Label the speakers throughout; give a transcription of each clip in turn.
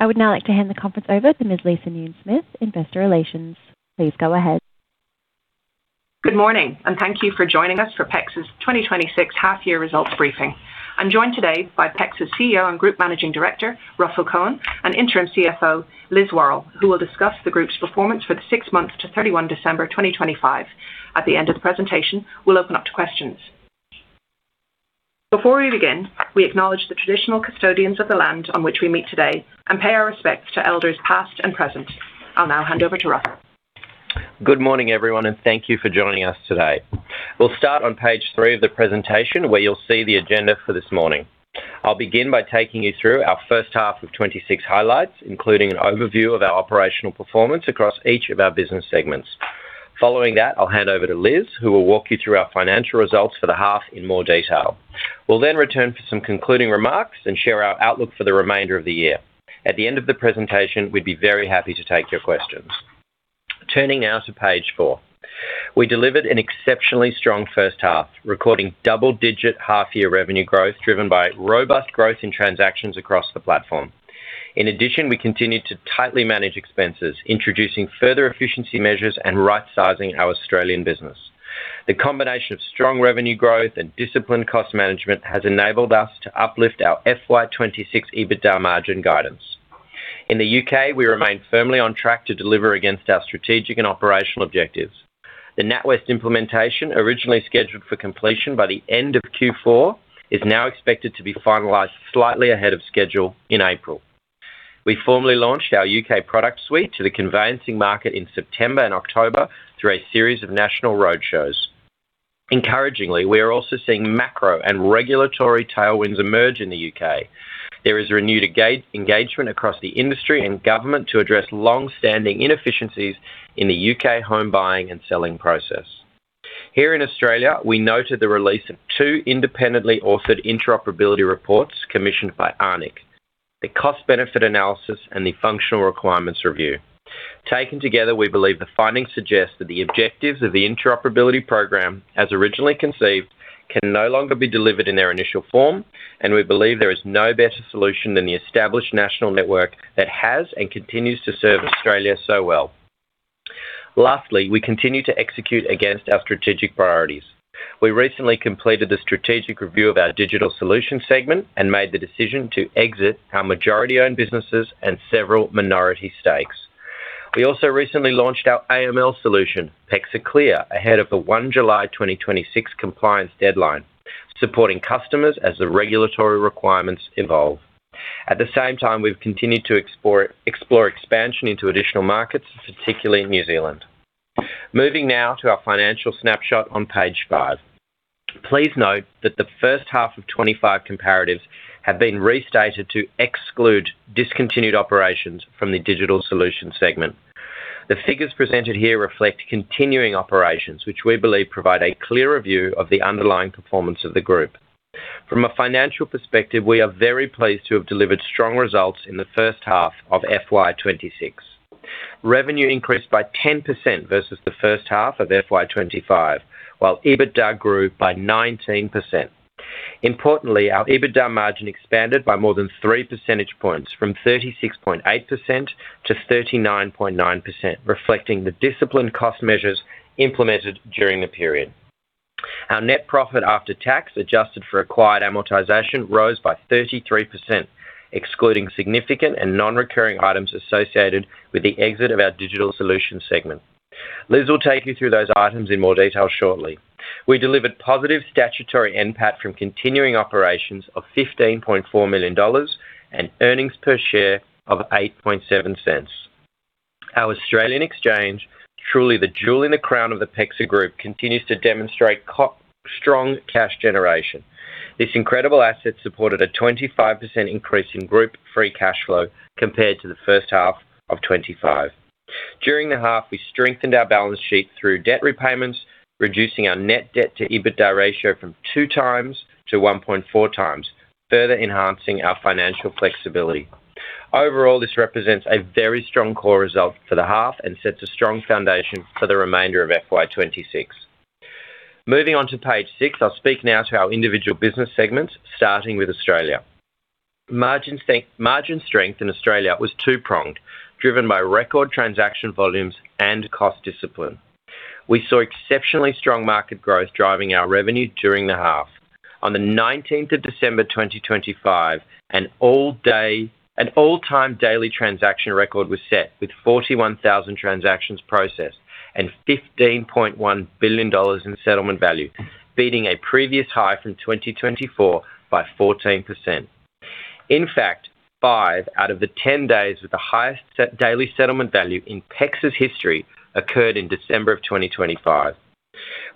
Speaker 1: I would now like to hand the conference over to Ms. Lisa Newns-Smith, Investor Relations. Please go ahead.
Speaker 2: Good morning, and thank you for joining us for PEXA's 2026 half year results briefing. I'm joined today by PEXA's CEO and Group Managing Director, Russell Cohen, and Interim CFO, Liz Warrell, who will discuss the group's performance for the six months to 31 December 2025. At the end of the presentation, we'll open up to questions. Before we begin, we acknowledge the traditional custodians of the land on which we meet today and pay our respects to elders, past and present. I'll now hand over to Russ.
Speaker 3: Good morning, everyone, and thank you for joining us today. We'll start on page three of the presentation, where you'll see the agenda for this morning. I'll begin by taking you through our first half of 2026 highlights, including an overview of our operational performance across each of our business segments. Following that, I'll hand over to Liz, who will walk you through our financial results for the half in more detail. We'll return for some concluding remarks and share our outlook for the remainder of the year. At the end of the presentation, we'd be very happy to take your questions. Turning now to page four. We delivered an exceptionally strong first half, recording double-digit half-year revenue growth, driven by robust growth in transactions across the platform. In addition, we continued to tightly manage expenses, introducing further efficiency measures and right-sizing our Australian business. The combination of strong revenue growth and disciplined cost management has enabled us to uplift our FY 2026 EBITDA margin guidance. In the U.K., we remain firmly on track to deliver against our strategic and operational objectives. The NatWest implementation, originally scheduled for completion by the end of Q4, is now expected to be finalized slightly ahead of schedule in April. We formally launched our U.K. product suite to the conveyancing market in September and October through a series of national roadshows. Encouragingly, we are also seeing macro and regulatory tailwinds emerge in the U.K. There is a renewed engagement across the industry and government to address long-standing inefficiencies in the U.K. home buying and selling process. Here in Australia, we noted the release of two independently authored interoperability reports commissioned by ARNECC, the Cost Benefit Analysis and the Functional Requirements Review. Taken together, we believe the findings suggest that the objectives of the interoperability program, as originally conceived, can no longer be delivered in their initial form. We believe there is no better solution than the established national network that has and continues to serve Australia so well. Lastly, we continue to execute against our strategic priorities. We recently completed a strategic review of our digital solutions segment and made the decision to exit our majority-owned businesses and several minority stakes. We also recently launched our AML solution, PEXA Clear, ahead of the 1 July 2026 compliance deadline, supporting customers as the regulatory requirements evolve. At the same time, we've continued to explore expansion into additional markets, particularly in New Zealand. Moving now to our financial snapshot on page five. Please note that the first half of 25 comparatives have been restated to exclude discontinued operations from the digital solutions segment. The figures presented here reflect continuing operations, which we believe provide a clearer view of the underlying performance of the group. From a financial perspective, we are very pleased to have delivered strong results in the first half of FY 2026. Revenue increased by 10% versus the first half of FY 2025, while EBITDA grew by 19%. Importantly, our EBITDA margin expanded by more than 3 percentage points, from 36.8% to 39.9%, reflecting the disciplined cost measures implemented during the period. Our net profit after tax, adjusted for acquired amortization, rose by 33%, excluding significant and non-recurring items associated with the exit of our digital solutions segment. Liz will take you through those items in more detail shortly. We delivered positive statutory NPAT from continuing operations of 15.4 million dollars and earnings per share of 0.087. Our Australian exchange, truly the jewel in the crown of the PEXA Group, continues to demonstrate strong cash generation. This incredible asset supported a 25% increase in group free cash flow compared to the first half of 2025. During the half, we strengthened our balance sheet through debt repayments, reducing our net debt to EBITDA ratio from 2x to 1.4x, further enhancing our financial flexibility. Overall, this represents a very strong core result for the half and sets a strong foundation for the remainder of FY 2026. Moving on to page six. I'll speak now to our individual business segments, starting with Australia. Margin strength in Australia was two-pronged, driven by record transaction volumes and cost discipline. We saw exceptionally strong market growth driving our revenue during the half. On the 19 December 2025, an all-time daily transaction record was set, with 41,000 transactions processed and 15.1 billion dollars in settlement value, beating a previous high from 2024 by 14%. Five out of the 10 days with the highest daily settlement value in PEXA's history occurred in December of 2025.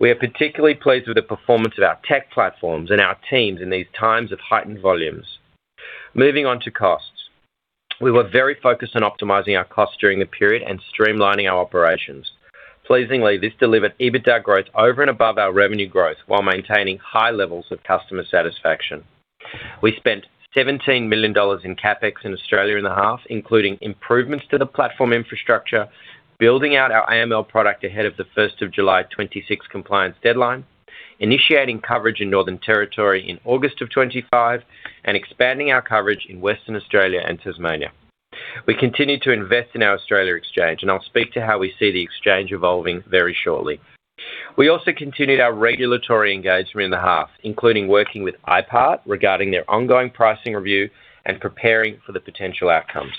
Speaker 3: We are particularly pleased with the performance of our tech platforms and our teams in these times of heightened volumes. Moving on to costs. We were very focused on optimizing our costs during the period and streamlining our operations. Pleasingly, this delivered EBITDA growth over and above our revenue growth while maintaining high levels of customer satisfaction. We spent $17 million in CapEx in Australia in the half, including improvements to the platform infrastructure, building out our AML product ahead of the 1 July 2026 compliance deadline, initiating coverage in Northern Territory in August 2025, and expanding our coverage in Western Australia and Tasmania. We continued to invest in our Australia exchange. I'll speak to how we see the exchange evolving very shortly. We also continued our regulatory engagement in the half, including working with IPART regarding their ongoing pricing review and preparing for the potential outcomes.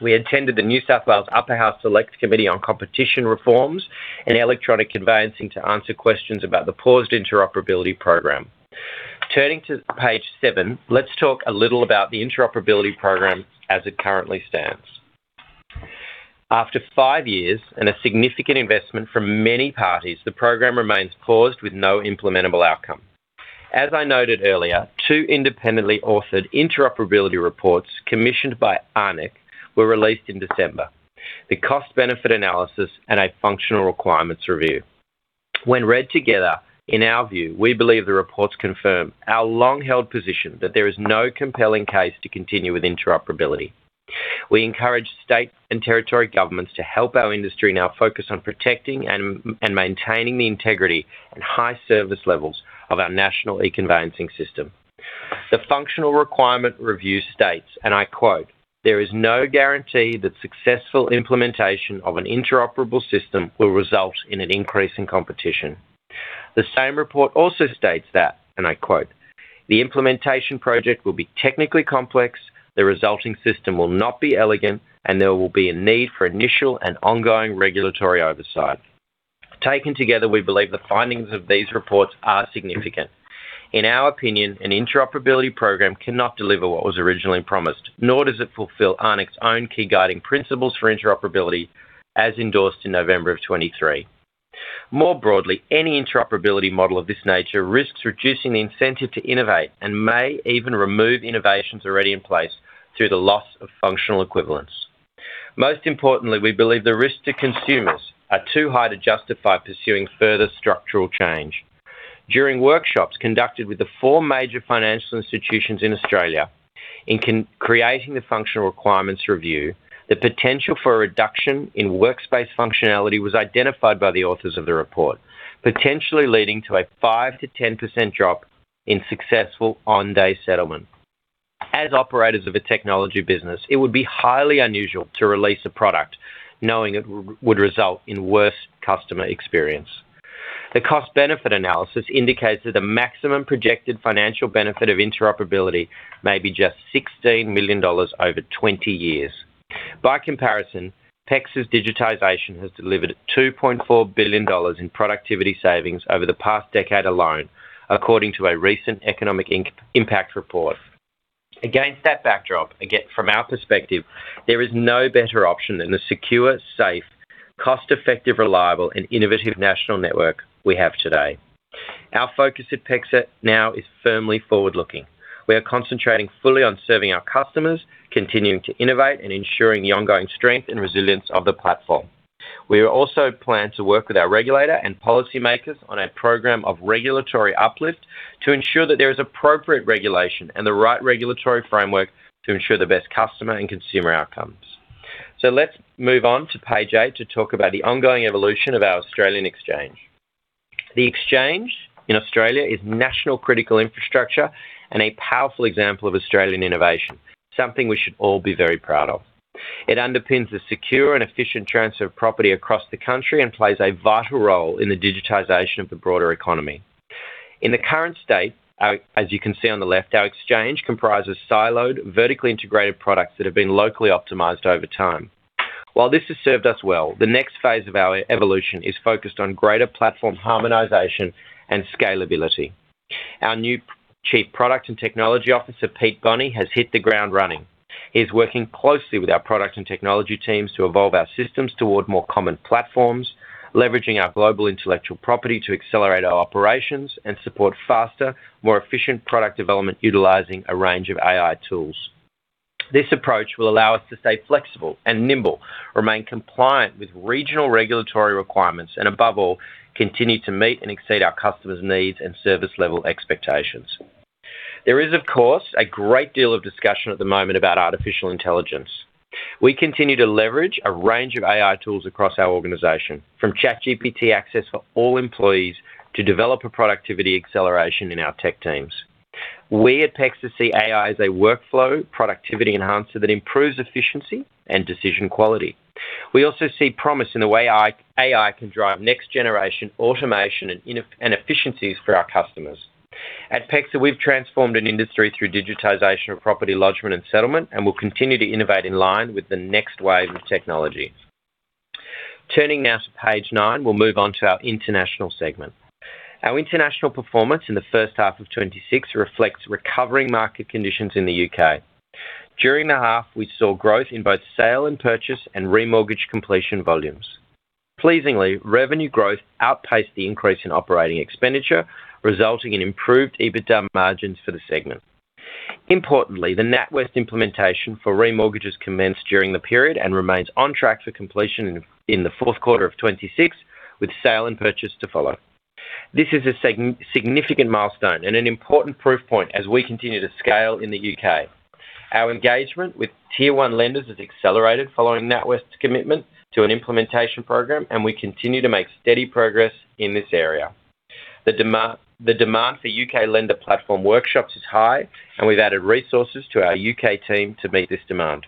Speaker 3: We attended the New South Wales Upper House Select Committee on Competition Reforms in Electronic Conveyancing to answer questions about the paused interoperability program. Turning to page seven, let's talk a little about the interoperability program as it currently stands. After five years and a significant investment from many parties, the program remains paused with no implementable outcome. As I noted earlier, two independently authored interoperability reports commissioned by ARNECC were released in December, the Cost Benefit Analysis and a Functional Requirements Review. When read together, in our view, we believe the reports confirm our long-held position that there is no compelling case to continue with interoperability. We encourage state and territory governments to help our industry now focus on protecting and maintaining the integrity and high service levels of our national e-conveyancing system. The Functional Requirements Review states, and I quote, "There is no guarantee that successful implementation of an interoperable system will result in an increase in competition." The same report also states that, and I quote, "The implementation project will be technically complex, the resulting system will not be elegant, and there will be a need for initial and ongoing regulatory oversight." Taken together, we believe the findings of these reports are significant. In our opinion, an interoperability program cannot deliver what was originally promised, nor does it fulfill ARNECC's own key guiding principles for interoperability, as endorsed in November of 2023. More broadly, any interoperability model of this nature risks reducing the incentive to innovate, and may even remove innovations already in place through the loss of functional equivalence. Most importantly, we believe the risks to consumers are too high to justify pursuing further structural change. During workshops conducted with the four major financial institutions in Australia creating the Functional Requirements Review, the potential for a reduction in workspace functionality was identified by the authors of the report, potentially leading to a 5%-10% drop in successful on-day settlement. As operators of a technology business, it would be highly unusual to release a product knowing it would result in worse customer experience. The Cost Benefit Analysis indicates that the maximum projected financial benefit of interoperability may be just $16 million over 20 years. By comparison, PEXA's digitization has delivered $2.4 billion in productivity savings over the past decade alone, according to a recent economic impact report. Against that backdrop, again, from our perspective, there is no better option than the secure, safe, cost-effective, reliable, and innovative national network we have today. Our focus at PEXA now is firmly forward-looking. We are concentrating fully on serving our customers, continuing to innovate, and ensuring the ongoing strength and resilience of the platform. We also plan to work with our regulator and policymakers on a program of regulatory uplift to ensure that there is appropriate regulation and the right regulatory framework to ensure the best customer and consumer outcomes. Let's move on to page eight to talk about the ongoing evolution of our Australian exchange. The exchange in Australia is national critical infrastructure and a powerful example of Australian innovation, something we should all be very proud of. It underpins the secure and efficient transfer of property across the country and plays a vital role in the digitization of the broader economy. In the current state, as you can see on the left, our exchange comprises siloed, vertically integrated products that have been locally optimized over time. While this has served us well, the next phase of our e- evolution is focused on greater platform harmonization and scalability. Our new Chief Product and Technology Officer, Pete Bonney, has hit the ground running. He's working closely with our product and technology teams to evolve our systems toward more common platforms, leveraging our global intellectual property to accelerate our operations and support faster, more efficient product development utilizing a range of AI tools. This approach will allow us to stay flexible and nimble, remain compliant with regional regulatory requirements, and above all, continue to meet and exceed our customers' needs and service level expectations. There is, of course, a great deal of discussion at the moment about artificial intelligence. We continue to leverage a range of AI tools across our organization, from ChatGPT access for all employees to develop a productivity acceleration in our tech teams. We at PEXA see AI as a workflow productivity enhancer that improves efficiency and decision quality. We also see promise in the way AI can drive next-generation automation and efficiencies for our customers. At PEXA, we've transformed an industry through digitization of property lodgment and settlement, and we'll continue to innovate in line with the next wave of technology. Turning now to page nine, we'll move on to our international segment. Our international performance in the first half of 2026 reflects recovering market conditions in the U.K.. During the half, we saw growth in both sale and purchase and remortgage completion volumes. Pleasingly, revenue growth outpaced the increase in operating expenditure, resulting in improved EBITDA margins for the segment. Importantly, the NatWest implementation for remortgages commenced during the period and remains on track for completion in the fourth quarter of 2026, with sale and purchase to follow. This is a significant milestone and an important proof point as we continue to scale in the U.K.. Our engagement with Tier One lenders has accelerated following NatWest's commitment to an implementation program. We continue to make steady progress in this area. The demand for U.K. Lender Platform workshops is high. We've added resources to our U.K. team to meet this demand.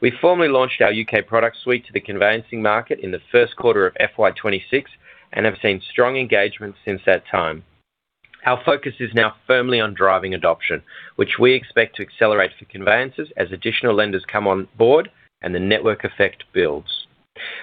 Speaker 3: We formally launched our U.K. product suite to the conveyancing market in the first quarter of FY 2026. We have seen strong engagement since that time. Our focus is now firmly on driving adoption, which we expect to accelerate for conveyancers as additional lenders come on board and the network effect builds.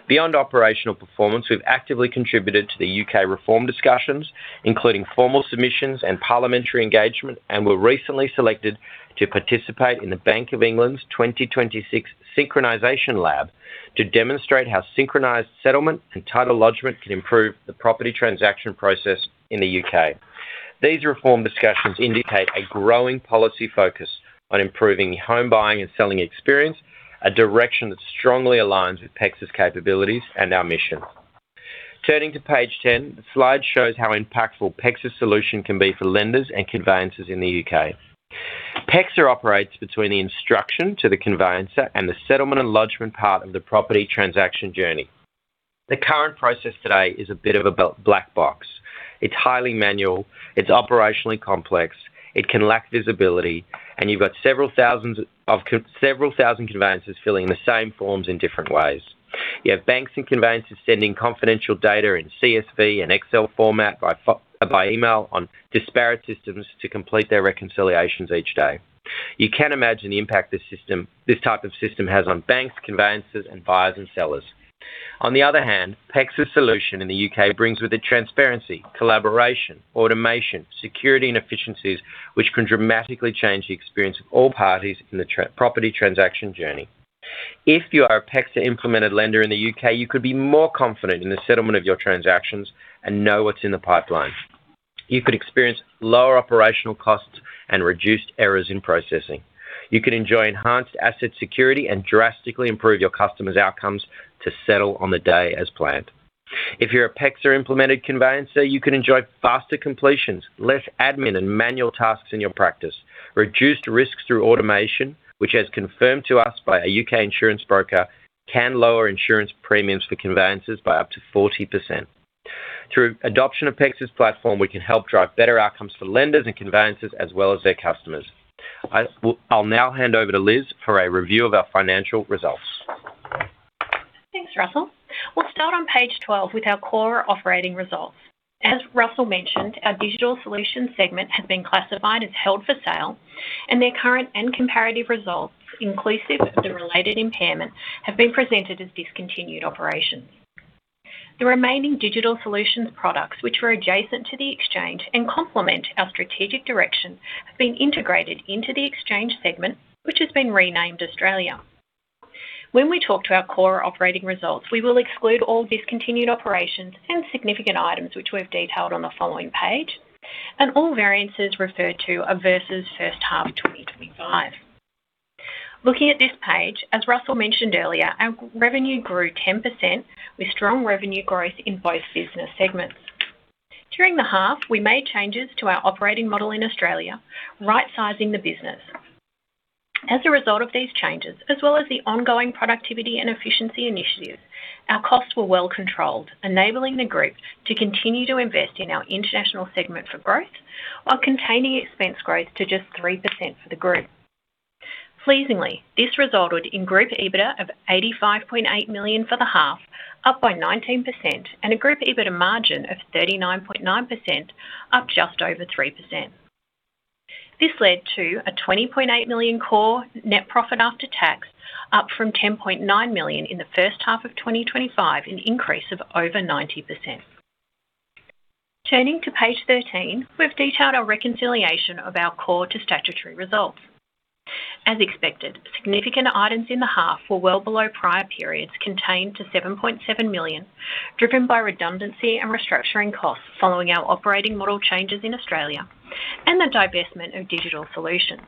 Speaker 3: Beyond operational performance, we've actively contributed to the U.K. reform discussions, including formal submissions and parliamentary engagement, and were recently selected to participate in the Bank of England's 2026 Synchronisation Lab to demonstrate how synchronized settlement and title lodgment can improve the property transaction process in the U.K. These reform discussions indicate a growing policy focus on improving home buying and selling experience, a direction that strongly aligns with PEXA's capabilities and our mission. Turning to page 10, the slide shows how impactful PEXA's solution can be for lenders and conveyancers in the U.K. PEXA operates between the instruction to the conveyancer and the settlement and lodgment part of the property transaction journey. The current process today is a bit of a black box. It's highly manual, it's operationally complex, it can lack visibility, and you've got several thousand conveyancers filling the same forms in different ways. You have banks and conveyancers sending confidential data in CSV and Excel format by email on disparate systems to complete their reconciliations each day. You can imagine the impact this type of system has on banks, conveyancers, and buyers and sellers. On the other hand, PEXA's solution in the U.K. brings with it transparency, collaboration, automation, security, and efficiencies, which can dramatically change the experience of all parties in the property transaction journey. If you are a PEXA-implemented lender in the U.K., you could be more confident in the settlement of your transactions and know what's in the pipeline. You could experience lower operational costs and reduced errors in processing. You can enjoy enhanced asset security and drastically improve your customers' outcomes to settle on the day as planned. If you're a PEXA-implemented conveyancer, you can enjoy faster completions, less admin and manual tasks in your practice. Reduced risks through automation, which as confirmed to us by a U.K. insurance broker, can lower insurance premiums for conveyancers by up to 40%. Through adoption of PEXA's platform, we can help drive better outcomes for lenders and conveyancers as well as their customers. I'll now hand over to Liz for a review of our financial results.
Speaker 4: Thanks, Russell. We'll start on page 12 with our core operating results. As Russell mentioned, our digital solutions segment has been classified as held for sale, and their current and comparative results, inclusive of the related impairment, have been presented as discontinued operations. The remaining digital solutions products, which were adjacent to the exchange and complement our strategic direction, have been integrated into the exchange segment, which has been renamed Australia. When we talk to our core operating results, we will exclude all discontinued operations and significant items, which we've detailed on the following page, and all variances referred to are versus first half of 2025. Looking at this page, as Russell mentioned earlier, our revenue grew 10%, with strong revenue growth in both business segments. During the half, we made changes to our operating model in Australia, right sizing the business. As a result of these changes, as well as the ongoing productivity and efficiency initiatives, our costs were well controlled, enabling the group to continue to invest in our international segment for growth, while containing expense growth to just 3% for the group. Pleasingly, this resulted in group EBITDA of $85.8 million for the half, up by 19%, and a group EBITDA margin of 39.9%, up just over 3%. This led to a $20.8 million core net profit after tax, up from $10.9 million in the first half of 2025, an increase of over 90%. Turning to page 13, we've detailed our reconciliation of our core to statutory results. As expected, significant items in the half were well below prior periods, contained to 7.7 million, driven by redundancy and restructuring costs following our operating model changes in Australia and the divestment of digital solutions.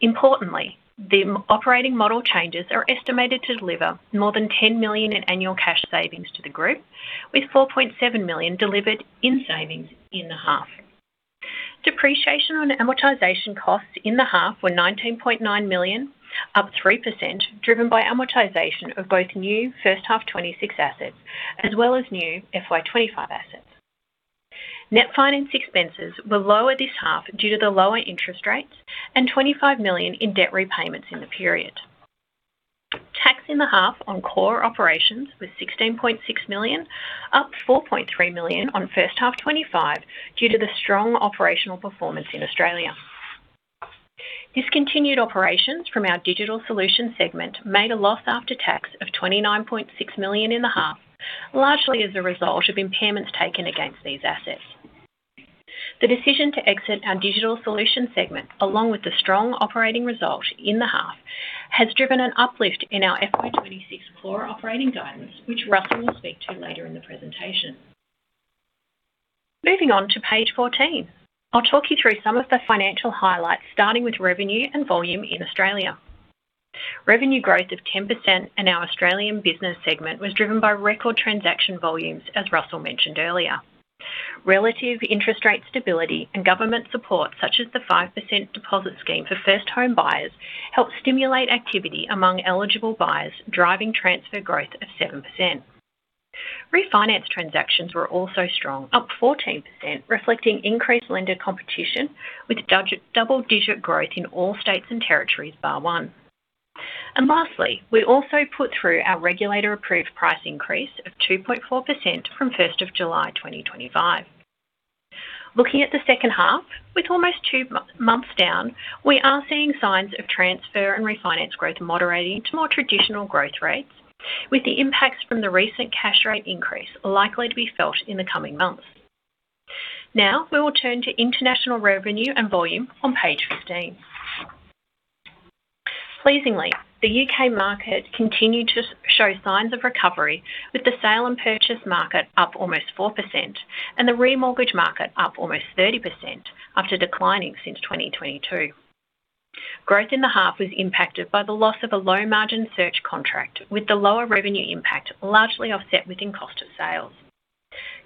Speaker 4: Importantly, the operating model changes are estimated to deliver more than 10 million in annual cash savings to the group, with 4.7 million delivered in savings in the half. Depreciation on amortization costs in the half were 19.9 million, up 3%, driven by amortization of both new first half 2026 assets as well as new FY 2025 assets. Net finance expenses were lower this half due to the lower interest rates and 25 million in debt repayments in the period. Tax in the half on core operations was 16.6 million, up 4.3 million on first half 2025 due to the strong operational performance in Australia. Discontinued operations from our digital solutions segment made a loss after tax of 29.6 million in the half, largely as a result of impairments taken against these assets. The decision to exit our digital solutions segment, along with the strong operating result in the half, has driven an uplift in our FY26 core operating guidance, which Russell will speak to later in the presentation. Moving on to page 14. I'll talk you through some of the financial highlights, starting with revenue and volume in Australia. Revenue growth of 10% in our Australian business segment was driven by record transaction volumes, as Russell mentioned earlier. Relative interest rate stability and government support, such as the 5% Deposit Scheme for first home buyers, helped stimulate activity among eligible buyers, driving transfer growth of 7%. Refinance transactions were also strong, up 14%, reflecting increased lender competition, with double-digit growth in all states and territories, bar one. Lastly, we also put through our regulator-approved price increase of 2.4% from 1st of July, 2025. Looking at the second half, with almost two months down, we are seeing signs of transfer and refinance growth moderating to more traditional growth rates, with the impacts from the recent cash rate increase likely to be felt in the coming months. Now we will turn to international revenue and volume on page 15. Pleasingly, the U.K. market continued to show signs of recovery, with the sale and purchase market up almost 4% and the remortgage market up almost 30% after declining since 2022. Growth in the half was impacted by the loss of a low-margin search contract, with the lower revenue impact largely offset within cost of sales.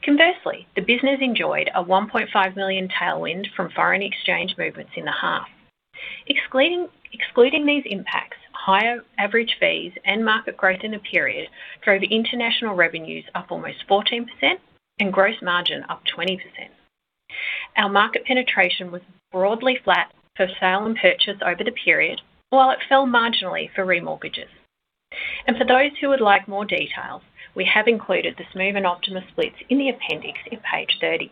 Speaker 4: Conversely, the business enjoyed an 1.5 million tailwind from foreign exchange movements in the half. Excluding these impacts, higher average fees and market growth in the period drove international revenues up almost 14% and gross margin up 20%. Our market penetration was broadly flat for sale and purchase over the period, while it fell marginally for remortgages. For those who would like more details, we have included the Smoove and Optima splits in the appendix in page 30.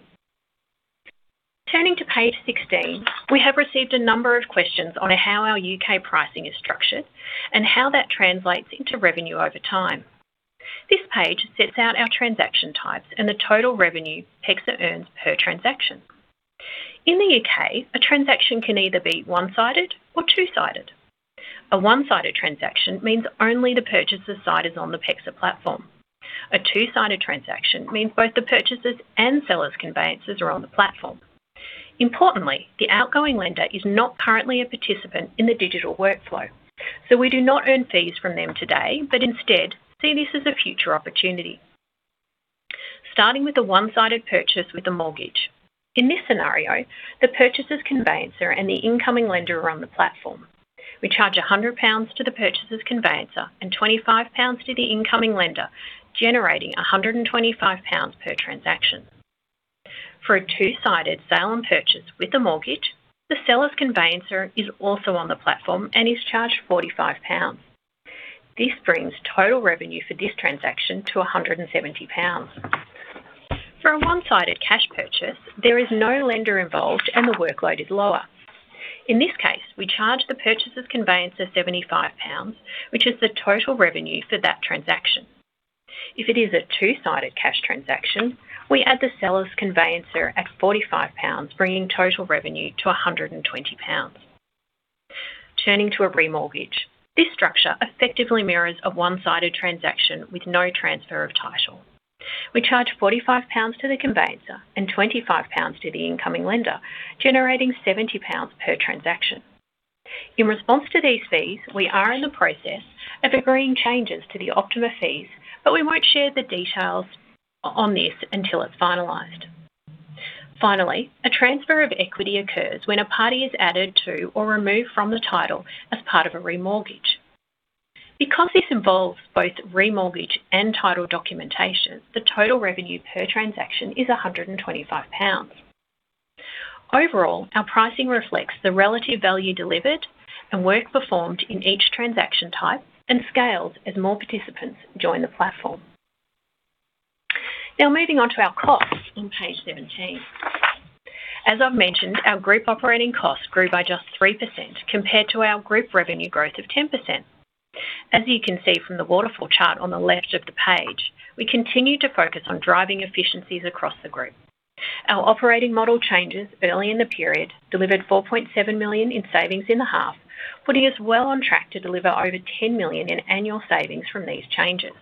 Speaker 4: Turning to page 16, we have received a number of questions on how our U.K. pricing is structured and how that translates into revenue over time. This page sets out our transaction types and the total revenue PEXA earns per transaction. In the U.K., a transaction can either be one-sided or two-sided. A one-sided transaction means only the purchaser's side is on the PEXA platform. A two-sided transaction means both the purchaser's and seller's conveyancers are on the platform. Importantly, the outgoing lender is not currently a participant in the digital workflow, so we do not earn fees from them today, but instead see this as a future opportunity. Starting with the 1-sided purchase with a mortgage. In this scenario, the purchaser's conveyancer and the incoming lender are on the platform. We charge 100 pounds to the purchaser's conveyancer and 25 pounds to the incoming lender, generating 125 pounds per transaction. For a two-sided sale and purchase with the mortgage, the seller's conveyancer is also on the platform and is charged 45 pounds. This brings total revenue for this transaction to 170 pounds. For a one-sided cash purchase, there is no lender involved, and the workload is lower. In this case, we charge the purchaser's conveyancer 75 pounds, which is the total revenue for that transaction. If it is a two-sided cash transaction, we add the seller's conveyancer at 45 pounds, bringing total revenue to 120 pounds. Turning to a remortgage. This structure effectively mirrors a one-sided transaction with no transfer of title. We charge 45 pounds to the conveyancer and 25 pounds to the incoming lender, generating 70 pounds per transaction. In response to these fees, we are in the process of agreeing changes to the Optima fees, but we won't share the details on this until it's finalized. Finally, a transfer of equity occurs when a party is added to or removed from the title as part of a remortgage. Because this involves both remortgage and title documentation, the total revenue per transaction is 125 pounds. Overall, our pricing reflects the relative value delivered and work performed in each transaction type and scales as more participants join the platform. Now, moving on to our costs on page 17. As I've mentioned, our group operating costs grew by just 3% compared to our group revenue growth of 10%. As you can see from the waterfall chart on the left of the page, we continue to focus on driving efficiencies across the group. Our operating model changes early in the period delivered 4.7 million in savings in the half, putting us well on track to deliver over 10 million in annual savings from these changes.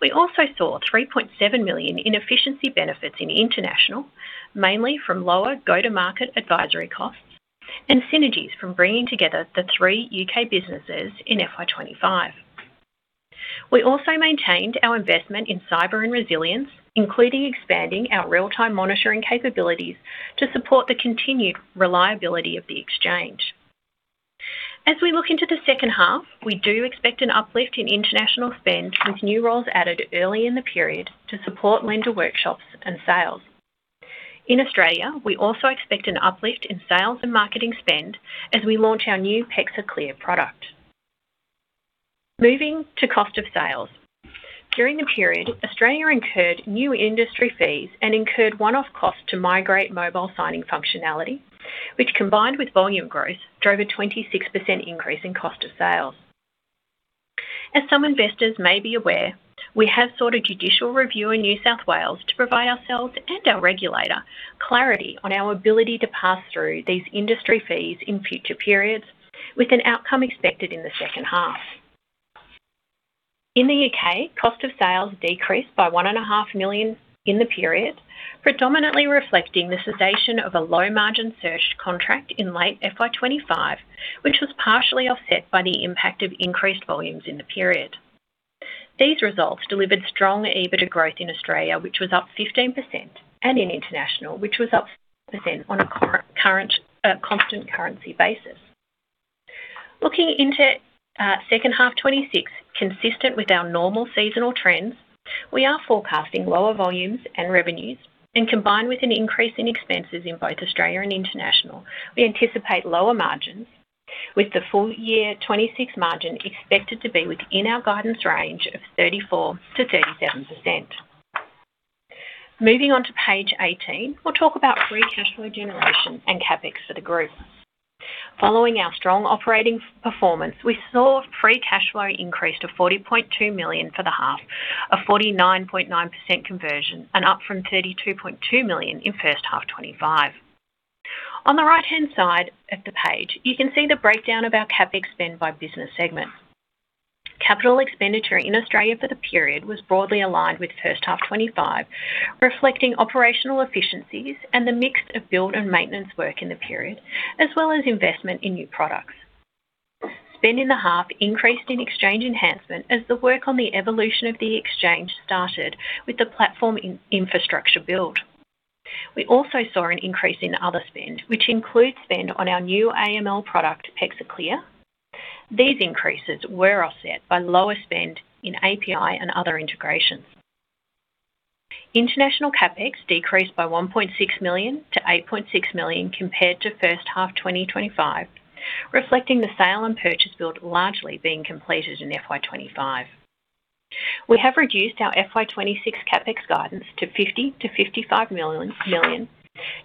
Speaker 4: We also saw 3.7 million in efficiency benefits in international, mainly from lower go-to-market advisory costs and synergies from bringing together the three U.K. businesses in FY 2025. We also maintained our investment in cyber and resilience, including expanding our real-time monitoring capabilities to support the continued reliability of the exchange. As we look into the second half, we do expect an uplift in international spend, with new roles added early in the period to support lender workshops and sales. In Australia, we also expect an uplift in sales and marketing spend as we launch our new PEXA Clear product. Moving to cost of sales. During the period, Australia incurred new industry fees and incurred one-off costs to migrate mobile signing functionality, which, combined with volume growth, drove a 26% increase in cost of sales. As some investors may be aware, we have sought a judicial review in New South Wales to provide ourselves and our regulator clarity on our ability to pass through these industry fees in future periods, with an outcome expected in the second half. In the U.K., cost of sales decreased by 1.5 million in the period, predominantly reflecting the cessation of a low-margin search contract in late FY 2025, which was partially offset by the impact of increased volumes in the period. These results delivered strong EBITDA growth in Australia, which was up 15%, and in international, which was up percent on a current constant currency basis. Looking into second half 2026, consistent with our normal seasonal trends, we are forecasting lower volumes and revenues. Combined with an increase in expenses in both Australia and international, we anticipate lower margins, with the full year 2026 margin expected to be within our guidance range of 34%-37%. Moving on to page 18, we'll talk about free cash flow generation and CapEx for the group. Following our strong operating performance, we saw free cash flow increase to 40.2 million for the half, a 49.9% conversion and up from 32.2 million in first half 2025. On the right-hand side of the page, you can see the breakdown of our CapEx spend by business segment. Capital expenditure in Australia for the period was broadly aligned with first half 2025, reflecting operational efficiencies and the mix of build and maintenance work in the period, as well as investment in new products. Spend in the half increased in exchange enhancement as the work on the evolution of the exchange started with the platform infrastructure build. We also saw an increase in other spend, which includes spend on our new AML product, PEXA Clear. These increases were offset by lower spend in API and other integrations. International CapEx decreased by 1.6 million to 8.6 million compared to first half 2025, reflecting the sale and purchase build largely being completed in FY 2025. We have reduced our FY 2026 CapEx guidance to 50 million-55 million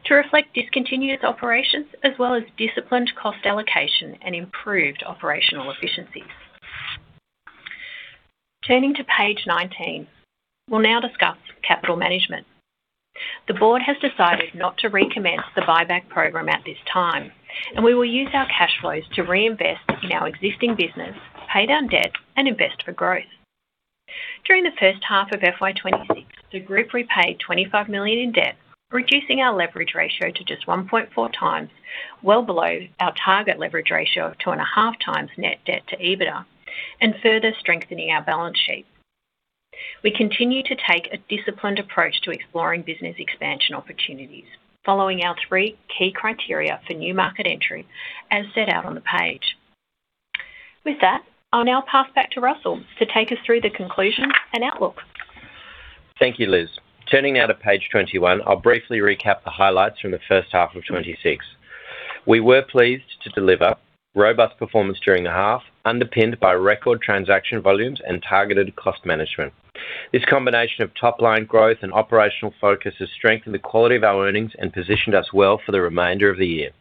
Speaker 4: to reflect discontinued operations, as well as disciplined cost allocation and improved operational efficiencies. Turning to page 19, we'll now discuss capital management. The board has decided not to recommence the buyback program at this time. We will use our cash flows to reinvest in our existing business, pay down debt, and invest for growth. During the first half of FY 2026, the group repaid 25 million in debt, reducing our leverage ratio to just 1.4x, well below our target leverage ratio of 2.5x net debt to EBITDA, further strengthening our balance sheet. We continue to take a disciplined approach to exploring business expansion opportunities, following our three key criteria for new market entry as set out on the page. With that, I'll now pass back to Russell to take us through the conclusion and outlook.
Speaker 3: Thank you, Liz. Turning now to page 21, I'll briefly recap the highlights from the first half of 2026. We were pleased to deliver robust performance during the half, underpinned by record transaction volumes and targeted cost management. This combination of top-line growth and operational focus has strengthened the quality of our earnings and positioned us well for the remainder of the year.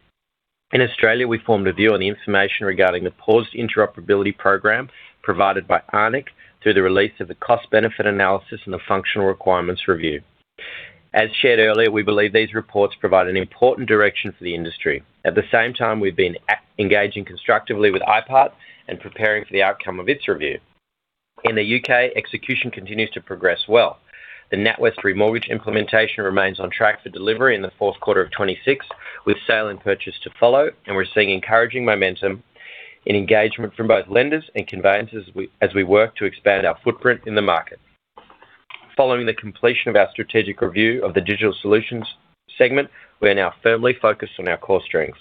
Speaker 3: In Australia, we formed a view on the information regarding the paused interoperability program provided by ARNECC, through the release of the Cost Benefit Analysis and the Functional Requirements Review. As shared earlier, we believe these reports provide an important direction for the industry. At the same time, we've been engaging constructively with IPART and preparing for the outcome of its review. In the U.K., execution continues to progress well. The NatWest remortgage implementation remains on track for delivery in the fourth quarter of 2026, with sale and purchase to follow. We're seeing encouraging momentum in engagement from both lenders and conveyancers as we work to expand our footprint in the market. Following the completion of our strategic review of the digital solutions segment, we are now firmly focused on our core strengths.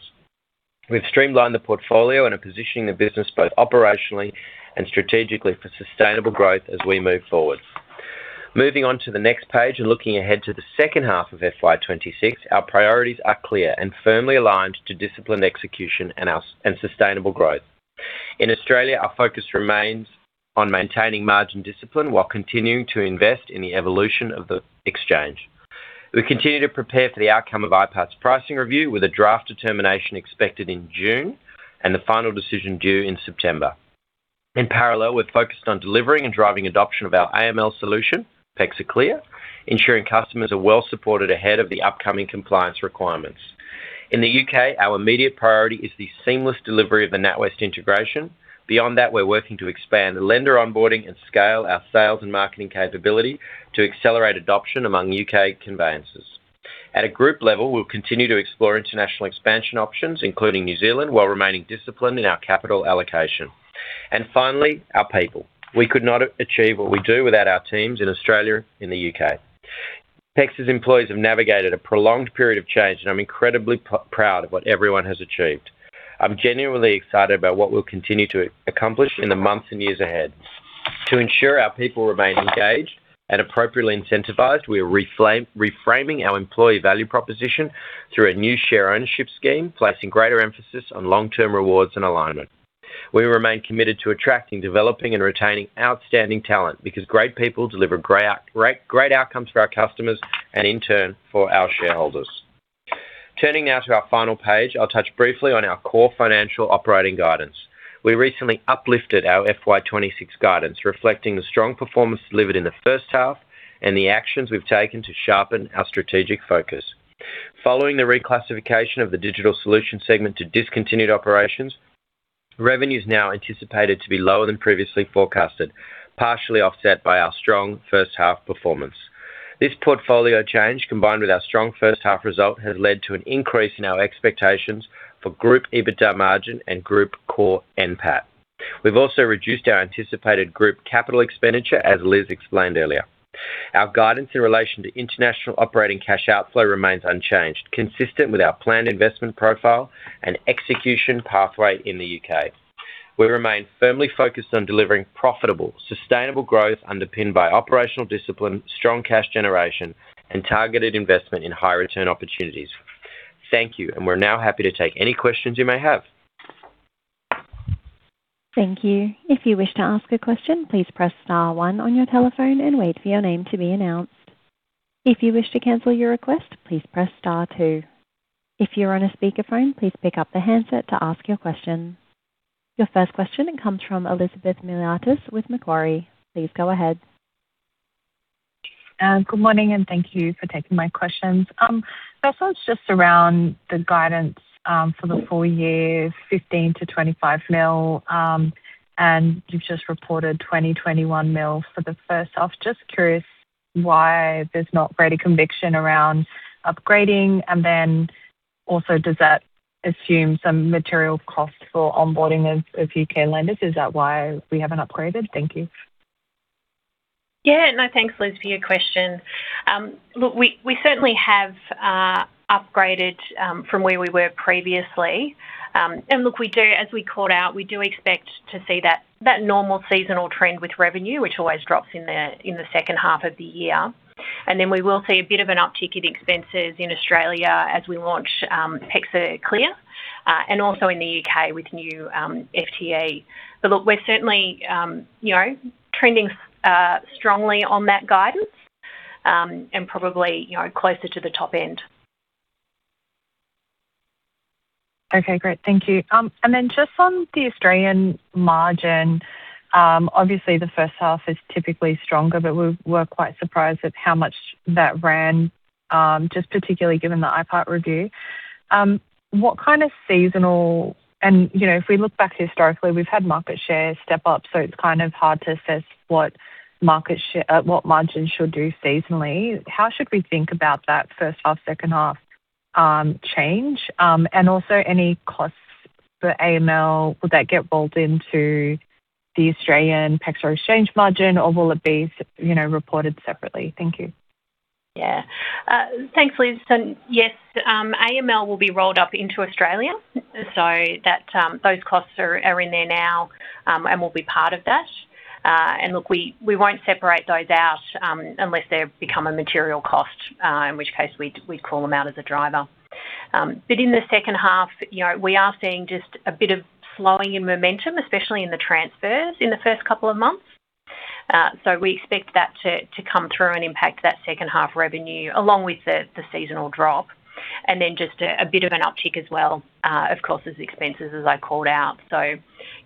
Speaker 3: We've streamlined the portfolio and are positioning the business both operationally and strategically for sustainable growth as we move forward. Moving on to the next page, looking ahead to the second half of FY 2026, our priorities are clear and firmly aligned to disciplined execution and sustainable growth. In Australia, our focus remains on maintaining margin discipline while continuing to invest in the evolution of the exchange. We continue to prepare for the outcome of IPART's pricing review, with a draft determination expected in June and the final decision due in September. In parallel, we've focused on delivering and driving adoption of our AML solution, PEXA Clear, ensuring customers are well supported ahead of the upcoming compliance requirements. In the U.K., our immediate priority is the seamless delivery of the NatWest integration. Beyond that, we're working to expand the lender onboarding and scale our sales and marketing capability to accelerate adoption among U.K. conveyancers. At a group level, we'll continue to explore international expansion options, including New Zealand, while remaining disciplined in our capital allocation. Finally, our people. We could not achieve what we do without our teams in Australia and the U.K.. PEXA's employees have navigated a prolonged period of change, and I'm incredibly proud of what everyone has achieved. I'm genuinely excited about what we'll continue to accomplish in the months and years ahead. To ensure our people remain engaged and appropriately incentivized, we are reframing our employee value proposition through a new share ownership scheme, placing greater emphasis on long-term rewards and alignment. We remain committed to attracting, developing, and retaining outstanding talent, because great people deliver great outcomes for our customers and in turn, for our shareholders. Turning now to our final page, I'll touch briefly on our core financial operating guidance. We recently uplifted our FY 2026 guidance, reflecting the strong performance delivered in the first half and the actions we've taken to sharpen our strategic focus. Following the reclassification of the digital solutions segment to discontinued operations, revenue is now anticipated to be lower than previously forecasted, partially offset by our strong first half performance. This portfolio change, combined with our strong first half result, has led to an increase in our expectations for group EBITDA margin and group core NPAT. We've also reduced our anticipated group capital expenditure, as Liz explained earlier. Our guidance in relation to international operating cash outflow remains unchanged, consistent with our planned investment profile and execution pathway in the U.K.. We remain firmly focused on delivering profitable, sustainable growth underpinned by operational discipline, strong cash generation and targeted investment in high return opportunities. Thank you, and we're now happy to take any questions you may have.
Speaker 1: Thank you. If you wish to ask a question, please press star one on your telephone and wait for your name to be announced. If you wish to cancel your request, please press star two. If you're on a speakerphone, please pick up the handset to ask your question. Your first question comes from Elizabeth Miliatis with Macquarie. Please go ahead.
Speaker 5: Good morning, and thank you for taking my questions. First one's just around the guidance for the full year, 15 million-25 million, and you've just reported 20 million-21 million for the first half. Just curious why there's not greater conviction around upgrading, and then also does that assume some material cost for onboarding of U.K. lenders? Is that why we haven't upgraded? Thank you.
Speaker 4: Yeah. No, thanks, Liz, for your question. Look, we certainly have upgraded from where we were previously. Look, we do expect to see that normal seasonal trend with revenue, which always drops in the second half of the year. Then we will see a bit of an uptick in expenses in Australia as we launch PEXA Clear, and also in the U.K. with new FTE. Look, we're certainly, you know, trending strongly on that guidance, and probably, you know, closer to the top end.
Speaker 5: Okay, great. Thank you. Just on the Australian margin, obviously the first half is typically stronger, but we were quite surprised at how much that ran, just particularly given the IPART review. You know, if we look back historically, we've had market share step up, so it's kind of hard to assess what market share, what margins should do seasonally. How should we think about that first half, second half, change? Also any costs for AML, would that get rolled into the Australian PEXA exchange margin, or will it be, you know, reported separately? Thank you.
Speaker 4: Yeah. Thanks, Liz. Yes, AML will be rolled up into Australia, so that those costs are in there now and will be part of that. Look, we won't separate those out unless they've become a material cost, in which case we'd call them out as a driver. In the second half, you know, we are seeing just a bit of slowing in momentum, especially in the transfers in the first couple of months. We expect that to come through and impact that second half revenue, along with the seasonal drop, and then just a bit of an uptick as well, of course, as expenses as I called out.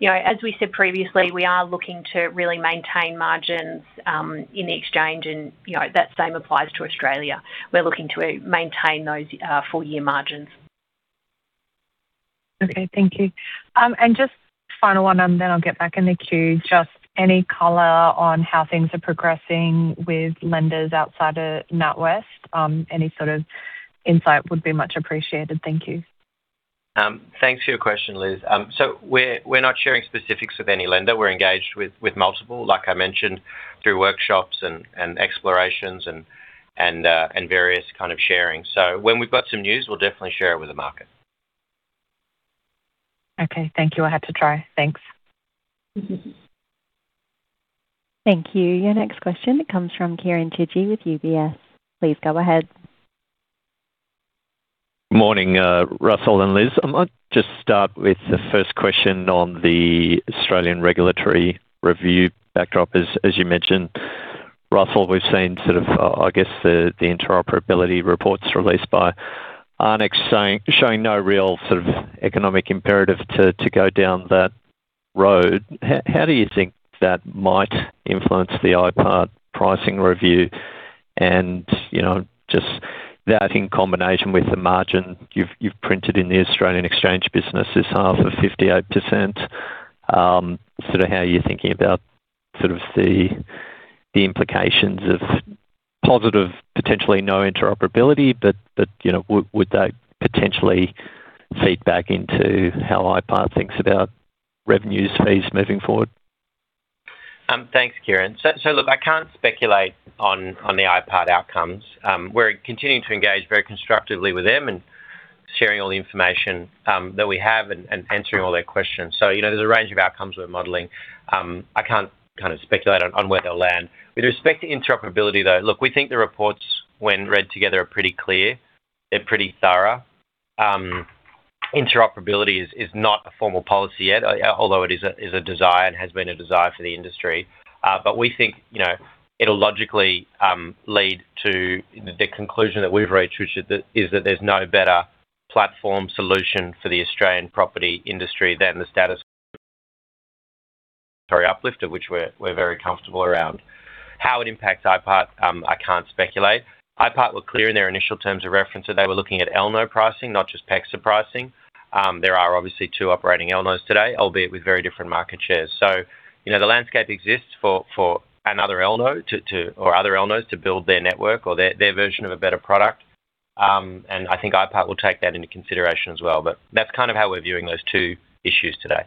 Speaker 4: You know, as we said previously, we are looking to really maintain margins, in the Exchange, and, you know, that same applies to Australia. We're looking to maintain those, full year margins.
Speaker 5: Okay, thank you. Just final one, and then I'll get back in the queue. Just any color on how things are progressing with lenders outside of NatWest? Any sort of insight would be much appreciated. Thank you.
Speaker 3: Thanks for your question, Liz. We're not sharing specifics with any lender. We're engaged with multiple, like I mentioned, through workshops and explorations and various kind of sharing. When we've got some news, we'll definitely share it with the market.
Speaker 5: Okay. Thank you. I had to try. Thanks.
Speaker 1: Thank you. Your next question comes from Kieren Chidgey with UBS. Please go ahead.
Speaker 6: Morning, Russell and Liz. I might just start with the first question on the Australian regulatory review backdrop. As you mentioned, Russell, we've seen sort of, I guess, the interoperability reports released by ARNECC showing no real sort of economic imperative to go down that road. How do you think that might influence the IPART pricing review? You know, just that in combination with the margin you've printed in the Australian exchange business, this half of 58%, sort of how you're thinking about the implications of positive, potentially no interoperability, but, you know, would that potentially feed back into how IPART thinks about revenues fees moving forward?
Speaker 3: Thanks, Kieren. Look, I can't speculate on the IPART outcomes. We're continuing to engage very constructively with them and sharing all the information that we have and answering all their questions. You know, there's a range of outcomes we're modeling. I can't kind of speculate on where they'll land. With respect to interoperability, though, look, we think the reports when read together, are pretty clear. They're pretty thorough. Interoperability is not a formal policy yet, although it is a desire and has been a desire for the industry. We think, you know, it'll logically lead to the conclusion that we've reached, which is that there's no better platform solution for the Australian property industry than the uplifter, which we're very comfortable around. How it impacts IPART, I can't speculate. IPART were clear in their initial terms of reference that they were looking at LNO pricing, not just PEXA pricing. There are obviously two operating LNOs today, albeit with very different market shares. You know, the landscape exists for another LNO to or other LNOs to build their network or their version of a better product. And I think IPART will take that into consideration as well. That's kind of how we're viewing those two issues today.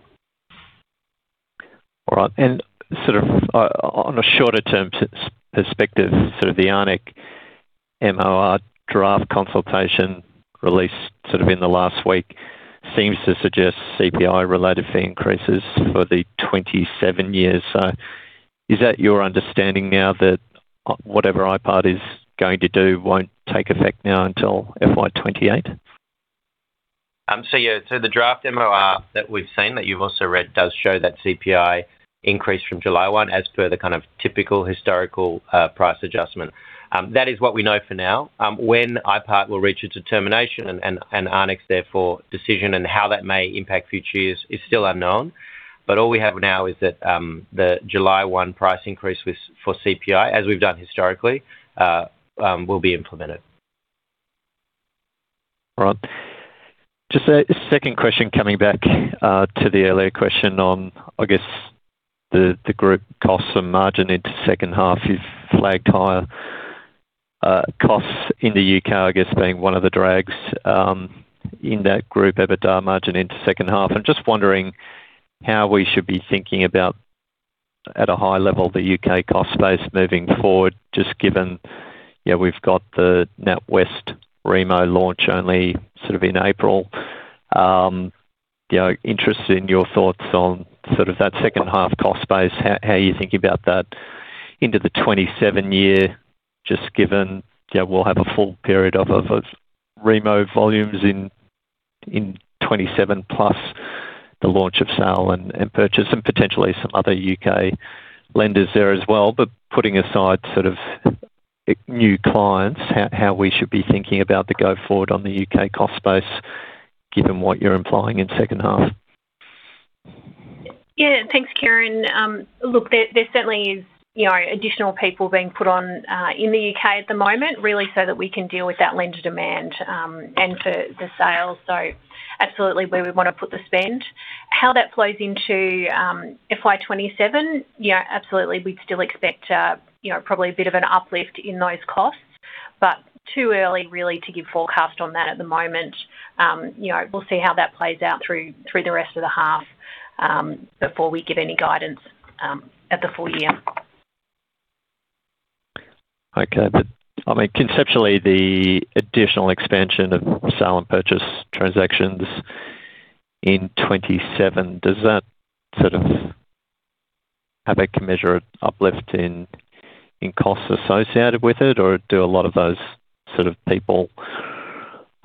Speaker 6: All right. Sort of, on a shorter term perspective, sort of the ARNECC MOR draft consultation release, sort of in the last week, seems to suggest CPI-related fee increases for the 27 years. Is that your understanding now that, whatever IPART is going to do won't take effect now until FY 2028?
Speaker 3: The draft MOR that we've seen, that you've also read, does show that CPI increase from 1 July as per the kind of typical historical price adjustment. That is what we know for now. When IPART will reach its determination and ARNECC's therefore decision and how that may impact future years is still unknown. All we have now is that the July 1 price increase with, for CPI, as we've done historically, will be implemented.
Speaker 6: Right. Just a second question, coming back to the earlier question on, I guess, the group costs and margin into second half. You've flagged higher costs in the U.K., I guess, being one of the drags in that group EBITDA margin into second half. I'm just wondering how we should be thinking about, at a high level, the U.K. cost base moving forward, just given, yeah, we've got the NatWest Remo launch only sort of in April. Interested in your thoughts on sort of that second half cost base, how you think about that into the 2027 year, just given, yeah, we'll have a full period of Remo volumes in 2027, plus the launch of sale and purchase and potentially some other U.K. lenders there as well. Putting aside sort of new clients, how we should be thinking about the go-forward on the U.K. cost base, given what you're implying in second half?
Speaker 4: Yeah. Thanks, Kieren. Look, there certainly is, you know, additional people being put on in the U.K. at the moment, really so that we can deal with that lender demand and for the sales. Absolutely, where we want to put the spend. How that flows into FY 2027, yeah, absolutely, we'd still expect, you know, probably a bit of an uplift in those costs, but too early really to give forecast on that at the moment. You know, we'll see how that plays out through the rest of the half before we give any guidance at the full year.
Speaker 6: Okay. I mean, conceptually, the additional expansion of sale and purchase transactions in 2027, does that sort of have a commensurate uplift in costs associated with it, or do a lot of those sort of people,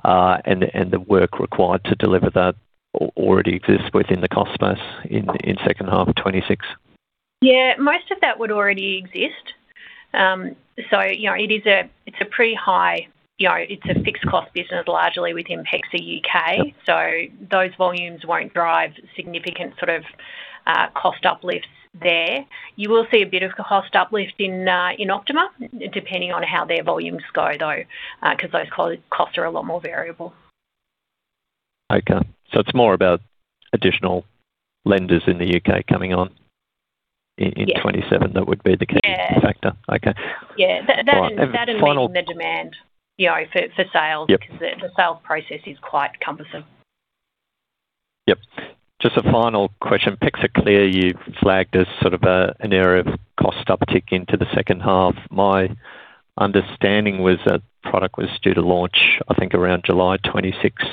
Speaker 6: and the work required to deliver that already exist within the cost base in second half of 2026?
Speaker 4: Yeah, most of that would already exist. You know, it is a, it's a pretty high, you know, it's a fixed cost business largely within PEXA U.K., so those volumes won't drive significant sort of cost uplifts there. You will see a bit of a cost uplift in Optima Legal, depending on how their volumes go, though, because those costs are a lot more variable.
Speaker 6: Okay. It's more about additional lenders in the U.K. coming on in 2027. That would be the key factor. Okay, All right.
Speaker 4: That includes the demand, you know, for sales because the sales process is quite cumbersome.
Speaker 6: Yep. Just a final question. PEXA Clear, you flagged as sort of a, an area of cost uptick into the second half. My understanding was that product was due to launch, I think, around July 2026.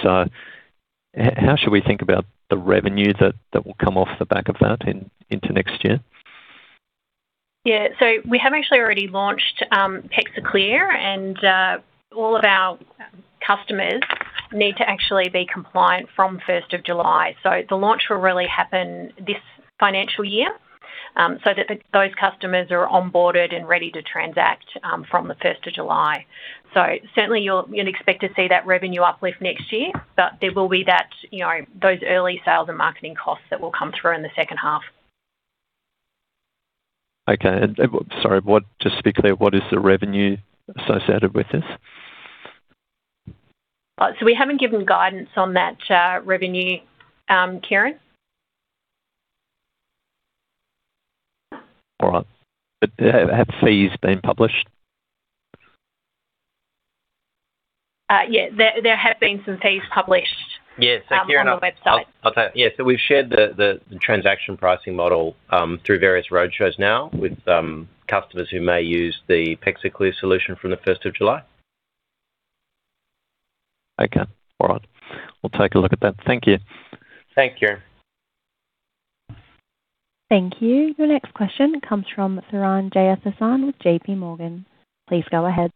Speaker 6: how should we think about the revenue that will come off the back of that into next year?
Speaker 4: We have actually already launched PEXA Clear, and all of our customers need to actually be compliant from 1 July. The launch will really happen this financial year, so that those customers are onboarded and ready to transact from the 1 July. Certainly, you'll expect to see that revenue uplift next year, but there will be that, you know, those early sales and marketing costs that will come through in the second half.
Speaker 6: Okay. And, sorry, what, just to be clear, what is the revenue associated with this?
Speaker 4: We haven't given guidance on that, revenue, Kieren.
Speaker 6: All right. Have fees been published?
Speaker 4: Yeah, there have been some fees published.
Speaker 3: Yes. Kieren.
Speaker 4: On the website.
Speaker 3: Yes, we've shared the transaction pricing model through various roadshows now with customers who may use the PEXA Clear solution from the 1 July.
Speaker 6: Okay. All right. We'll take a look at that. Thank you.
Speaker 3: Thank you.
Speaker 1: Thank you. The next question comes from Tharan Jeyathasan with JPMorgan. Please go ahead.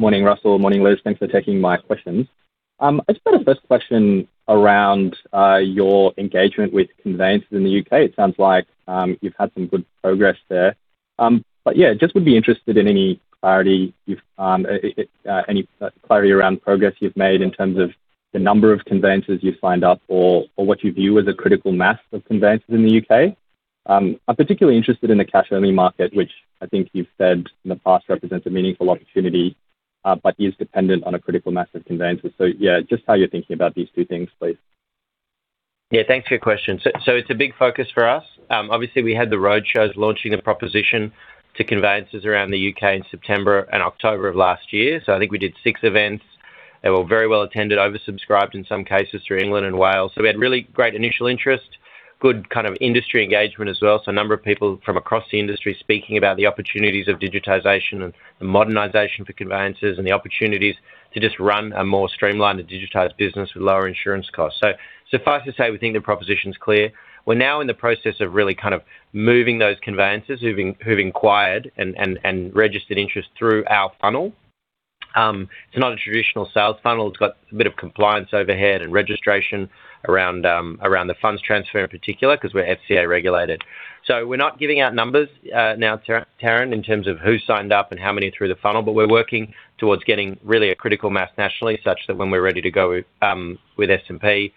Speaker 7: Morning, Russell. Morning, Liz. Thanks for taking my questions. I just got a first question around your engagement with conveyancers in the U.K.. It sounds like you've had some good progress there. Just would be interested in any clarity you've any clarity around progress you've made in terms of the number of conveyancers you've signed up or what you view as a critical mass of conveyancers in the U.K.. I'm particularly interested in the cash-only market, which I think you've said in the past, represents a meaningful opportunity, but is dependent on a critical mass of conveyancers. Just how you're thinking about these two things, please.
Speaker 3: Yeah, thanks for your question. It's a big focus for us. Obviously, we had the road shows launching the proposition to conveyancers around the U.K. in September and October of last year. I think we did 6 events. They were very well attended, oversubscribed in some cases through England and Wales. We had really great initial interest, good kind of industry engagement as well. A number of people from across the industry speaking about the opportunities of digitization and the modernization for conveyancers and the opportunities to just run a more streamlined and digitized business with lower insurance costs. Far to say, we think the proposition is clear. We're now in the process of really kind of moving those conveyancers who've inquired and registered interest through our funnel. It's not a traditional sales funnel. It's got a bit of compliance overhead and registration around the funds transfer, in particular, 'cause we're FCA regulated. We're not giving out numbers, now, Tharan, in terms of who signed up and how many through the funnel, but we're working towards getting really a critical mass nationally, such that when we're ready to go with S&P,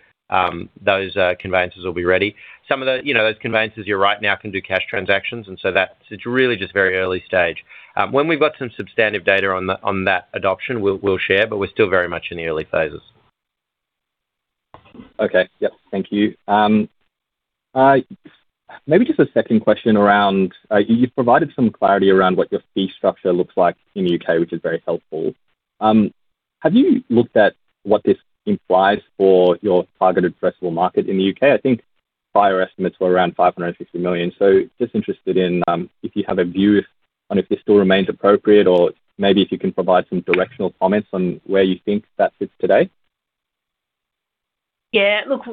Speaker 3: those conveyancers will be ready. Some of those, you know, those conveyancers, you're right, now can do cash transactions, it's really just very early stage. When we've got some substantive data on that adoption, we'll share, but we're still very much in the early phases.
Speaker 7: Okay. Yep, thank you. Maybe just a second question around, you've provided some clarity around what your fee structure looks like in the U.K., which is very helpful. Have you looked at what this implies for your targeted addressable market in the U.K.? I think prior estimates were around 560 million. Just interested in if you have a view on if this still remains appropriate, or maybe if you can provide some directional comments on where you think that sits today.
Speaker 4: Yeah, look,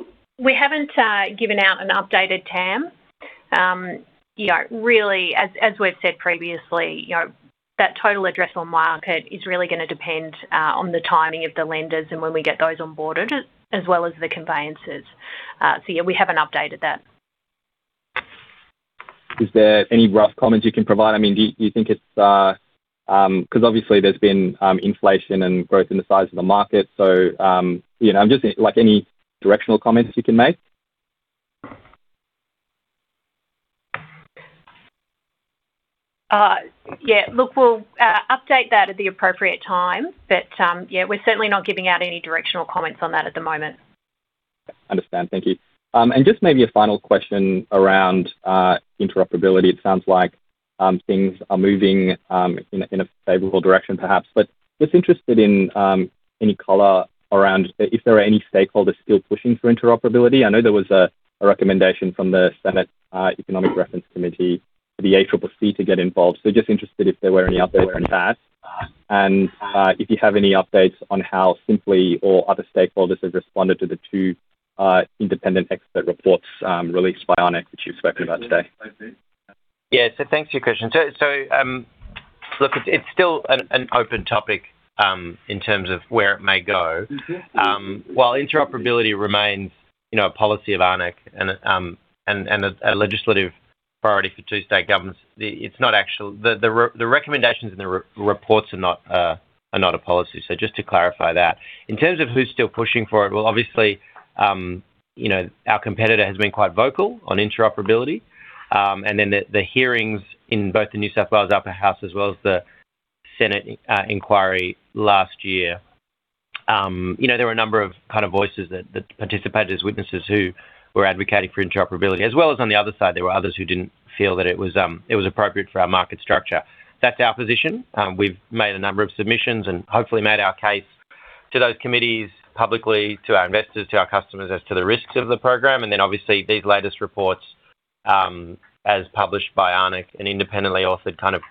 Speaker 4: we haven't given out an updated TAM. You know, really, as we've said previously, you know, that total addressable market is really gonna depend on the timing of the lenders and when we get those on boarded, as well as the conveyancers. Yeah, we haven't updated that.
Speaker 7: Is there any rough comments you can provide? I mean, do you think it's 'cause obviously there's been inflation and growth in the size of the market, so, you know, just like any directional comments you can make?
Speaker 4: Yeah, look, we'll update that at the appropriate time, but, yeah, we're certainly not giving out any directional comments on that at the moment.
Speaker 7: Understand. Thank you. Just maybe a final question around interoperability. It sounds like things are moving in a favorable direction, perhaps, but just interested in any color around if there are any stakeholders still pushing for interoperability. I know there was a recommendation from the Senate Economics References Committee for the ACCC to get involved. Just interested if there were any updates on that, and if you have any updates on how Sympli or other stakeholders have responded to the two independent expert reports released by ARNECC, which you've spoken about today.
Speaker 3: Thanks for your question. So, look, it's still an open topic in terms of where it may go. While interoperability remains, you know, a policy of ARNECC and a legislative priority for two state governments, the recommendations and the re-reports are not a policy. Just to clarify that. In terms of who's still pushing for it, well, obviously, you know, our competitor has been quite vocal on interoperability. The hearings in both the New South Wales Upper House as well as the Senate inquiry last year, you know, there were a number of kind of voices that participated as witnesses who were advocating for interoperability, as well as on the other side, there were others who didn't feel that it was appropriate for our market structure. That's our position. We've made a number of submissions and hopefully made our case to those committees, publicly, to our investors, to our customers as to the risks of the program. Obviously, these latest reports, as published by ARNECC and independently also kind of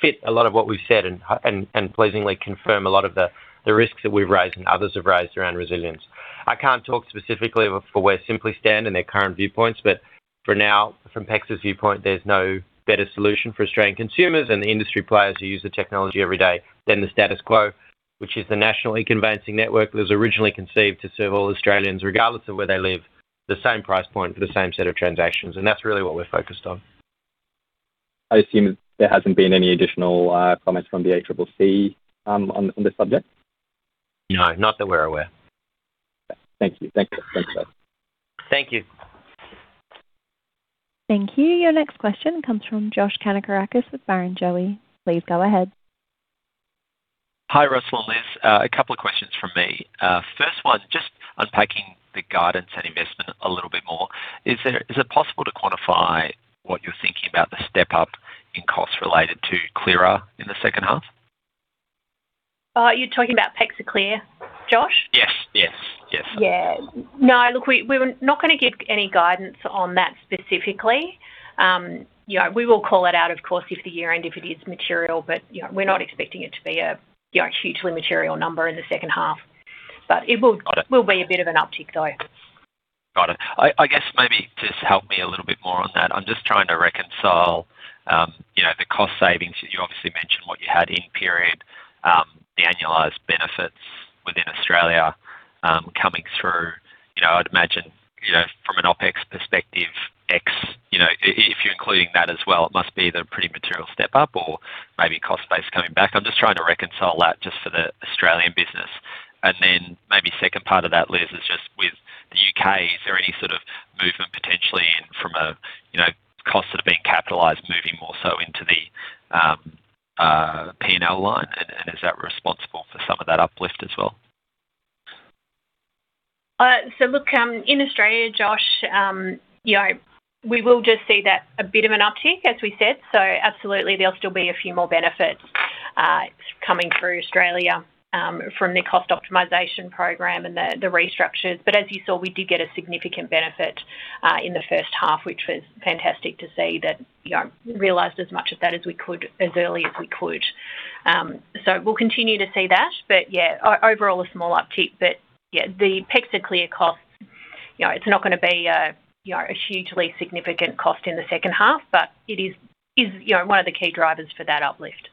Speaker 3: fit a lot of what we've said and pleasingly confirm a lot of the risks that we've raised and others have raised around resilience. I can't talk specifically for where Sympli stand and their current viewpoints, but for now, from PEXA's viewpoint, there's no better solution for Australian consumers and the industry players who use the technology every day than the status quo, which is the national e-conveyancing network that was originally conceived to serve all Australians, regardless of where they live, the same price point for the same set of transactions, and that's really what we're focused on.
Speaker 7: I assume there hasn't been any additional, comments from the ACCC, on this subject?
Speaker 3: No, not that we're aware.
Speaker 7: Thank you. Thank you. Thanks, guys.
Speaker 3: Thank you.
Speaker 1: Thank you. Your next question comes from Josh Kannourakis with Barrenjoey. Please go ahead.
Speaker 8: Hi, Russell and Liz. A couple of questions from me. First one, just unpacking the guidance and investment a little bit more. Is it possible to quantify what you're thinking about the step up in costs related to PEXA Clear in the second half?
Speaker 4: You're talking about PEXA Clear, Josh?
Speaker 8: Yes, yes. Yes.
Speaker 4: Yeah. No, look, we're not gonna give any guidance on that specifically. You know, we will call it out, of course, if the year-end, if it is material, but, you know, we're not expecting it to be a, you know, hugely material number in the second half.
Speaker 8: Got it.
Speaker 4: Will be a bit of an uptick, though.
Speaker 8: Got it. I guess maybe just help me a little bit more on that. I'm just trying to reconcile, you know, the cost savings. You obviously mentioned what you had in period, the annualized benefits within Australia. Coming through, you know, I'd imagine, you know, from an OpEx perspective, X, you know, if you're including that as well, it must be the pretty material step up or maybe cost base coming back. I'm just trying to reconcile that just for the Australian business. Then maybe second part of that, Liz, is just with the U.K., is there any sort of movement potentially in from a, you know, costs that are being capitalized, moving more so into the P&L line? Is that responsible for some of that uplift as well?
Speaker 4: Look, in Australia, Josh, you know, we will just see that a bit of an uptick, as we said. Absolutely, there'll still be a few more benefits coming through Australia from the cost optimization program and the restructures. As you saw, we did get a significant benefit in the first half, which was fantastic to see that, you know, realized as much of that as we could, as early as we could. We'll continue to see that. Yeah, overall, a small uptick, but yeah, the PEXA Clear costs, you know, it's not gonna be a, you know, a hugely significant cost in the second half, but it is, you know, one of the key drivers for that uplift.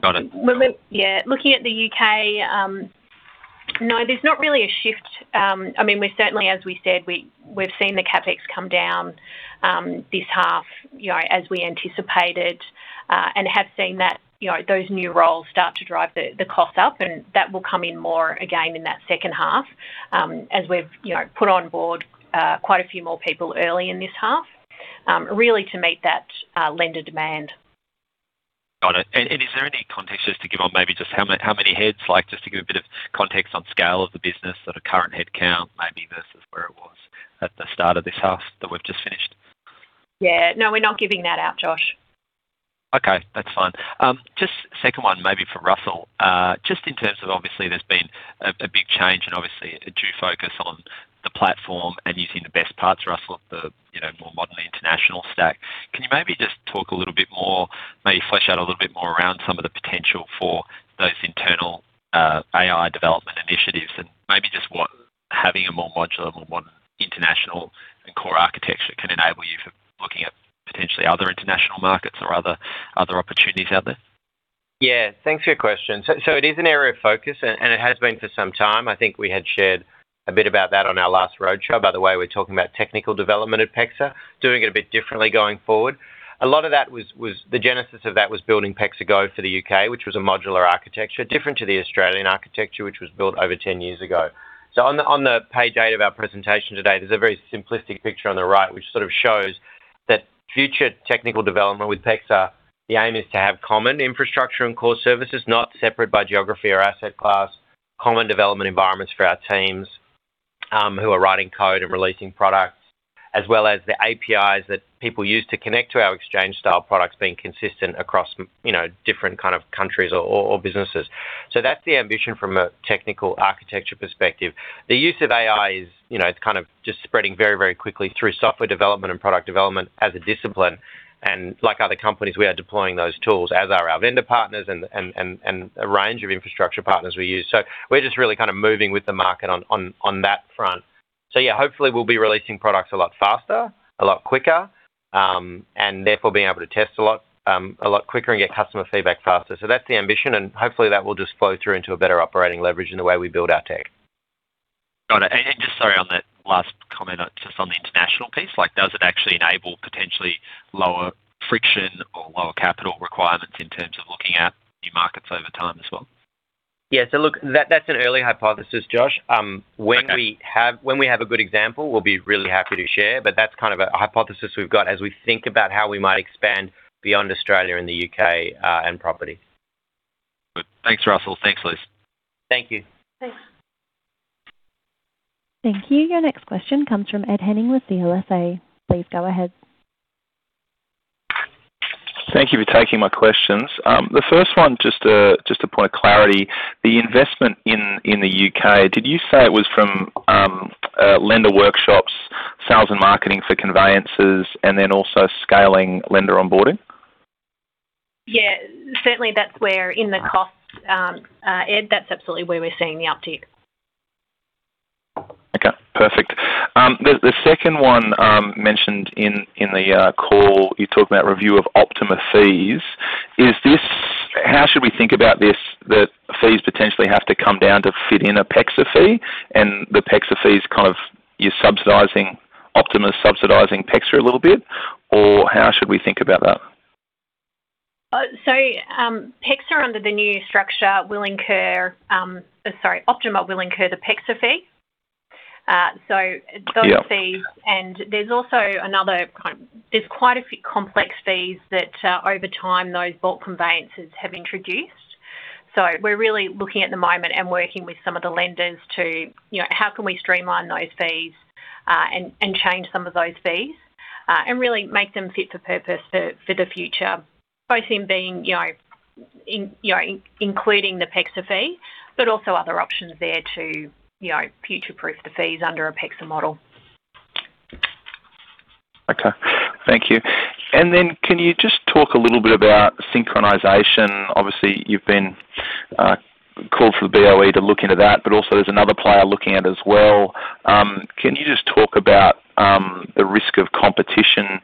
Speaker 8: Got it.
Speaker 4: Yeah, looking at the U.K., no, there's not really a shift. I mean, we certainly, as we said, we've seen the CapEx come down this half, you know, as we anticipated, and have seen that, you know, those new roles start to drive the cost up, and that will come in more again in that second half, as we've, you know, put on board quite a few more people early in this half, really to meet that lender demand.
Speaker 8: Got it. Is there any context just to give on maybe just how many heads, like, just to give a bit of context on scale of the business, sort of current headcount, maybe versus where it was at the start of this half that we've just finished?
Speaker 4: Yeah. No, we're not giving that out, Josh.
Speaker 8: Okay, that's fine. Just second one, maybe for Russell. Just in terms of obviously there's been a big change and obviously a due focus on the platform and using the best parts, Russell, the, you know, more modern international stack, can you maybe just talk a little bit more, maybe flesh out a little bit more around some of the potential for those internal AI development initiatives and maybe just what having a more modular, more modern international and core architecture can enable you for looking at potentially other international markets or other opportunities out there?
Speaker 3: Yeah. Thanks for your question. It is an area of focus, and it has been for some time. I think we had shared a bit about that on our last roadshow. By the way, we're talking about technical development at PEXA, doing it a bit differently going forward. A lot of that was the genesis of that was building PEXA Go for the U.K., which was a modular architecture, different to the Australian architecture, which was built over 10 years ago. On page eight of our presentation today, there's a very simplistic picture on the right, which sort of shows that future technical development with PEXA, the aim is to have common infrastructure and core services, not separate by geography or asset class, common development environments for our teams, who are writing code and releasing products, as well as the APIs that people use to connect to our exchange-style products being consistent across, you know, different kind of countries or businesses. That's the ambition from a technical architecture perspective. The use of AI is, you know, it's kind of just spreading very, very quickly through software development and product development as a discipline. Like other companies, we are deploying those tools, as are our vendor partners and a range of infrastructure partners we use. We're just really kind of moving with the market on that front. Yeah, hopefully we'll be releasing products a lot faster, a lot quicker, and therefore being able to test a lot quicker and get customer feedback faster. That's the ambition, and hopefully, that will just flow through into a better operating leverage in the way we build our tech.
Speaker 8: Got it. Just sorry on that last comment, just on the international piece, like does it actually enable potentially lower friction or lower capital requirements in terms of looking at new markets over time as well?
Speaker 3: Yeah. Look, that's an early hypothesis, Josh. When we have a good example, we'll be really happy to share, but that's kind of a hypothesis we've got as we think about how we might expand beyond Australia and the U.K., and property.
Speaker 8: Good. Thanks, Russell. Thanks, Liz.
Speaker 3: Thank you.
Speaker 4: Thanks.
Speaker 1: Thank you. Your next question comes from Ed Henning with the CLSA. Please go ahead.
Speaker 9: Thank you for taking my questions. The first one, just a point of clarity. The investment in the U.K., did you say it was from lender workshops, sales and marketing for conveyances, and then also scaling lender onboarding?
Speaker 4: Yeah, certainly that's where in the cost, Ed, that's absolutely where we're seeing the uptick.
Speaker 9: Perfect. The second one, mentioned in the call, you talked about review of Optima Legal fees. How should we think about this, that fees potentially have to come down to fit in a PEXA fee, and the PEXA fees kind of you're subsidizing, Optima Legal subsidizing PEXA a little bit, or how should we think about that?
Speaker 4: PEXA, under the new structure, will incur, sorry, Optima Legal will incur the PEXA fee. Those fees. There's also quite a few complex fees that, over time, those bulk conveyances have introduced. We're really looking at the moment and working with some of the lenders to, you know, how can we streamline those fees, and change some of those fees, and really make them fit for purpose for the future, both in being, you know, including the PEXA fee, but also other options there to, you know, future-proof the fees under a PEXA model.
Speaker 9: Okay, thank you. Can you just talk a little bit about synchronization? Obviously, you've been called for the BOE to look into that. Also, there's another player looking at as well. Can you just talk about the risk of competition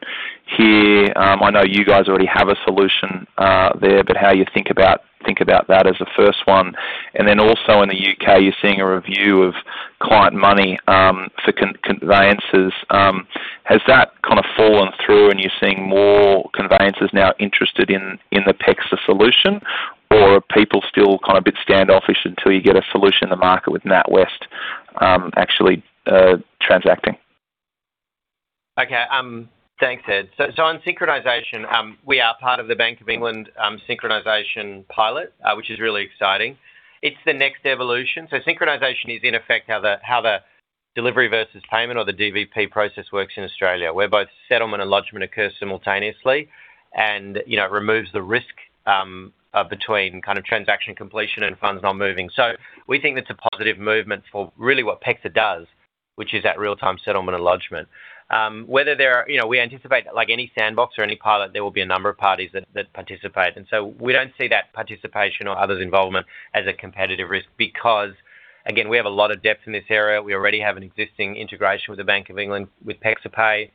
Speaker 9: here? I know you guys already have a solution there, but how you think about that as a first one. Also in the U.K., you're seeing a review of client money for conveyances. Has that kind of fallen through, and you're seeing more conveyancers now interested in the PEXA solution? Are people still kind of a bit standoffish until you get a solution in the market with NatWest actually transacting?
Speaker 3: Okay, thanks, Ed. On synchronization, we are part of the Bank of England synchronization pilot, which is really exciting. It's the next evolution. Synchronization is in effect, how the delivery versus payment or the DVP process works in Australia, where both settlement and lodgment occur simultaneously, and, you know, it removes the risk between kind of transaction completion and funds not moving. We think that's a positive movement for really what PEXA does, which is at real-time settlement and lodgment. You know, we anticipate, like any sandbox or any pilot, there will be a number of parties that participate. We don't see that participation or others involvement as a competitive risk because, again, we have a lot of depth in this area. We already have an existing integration with the Bank of England, with PEXA Pay.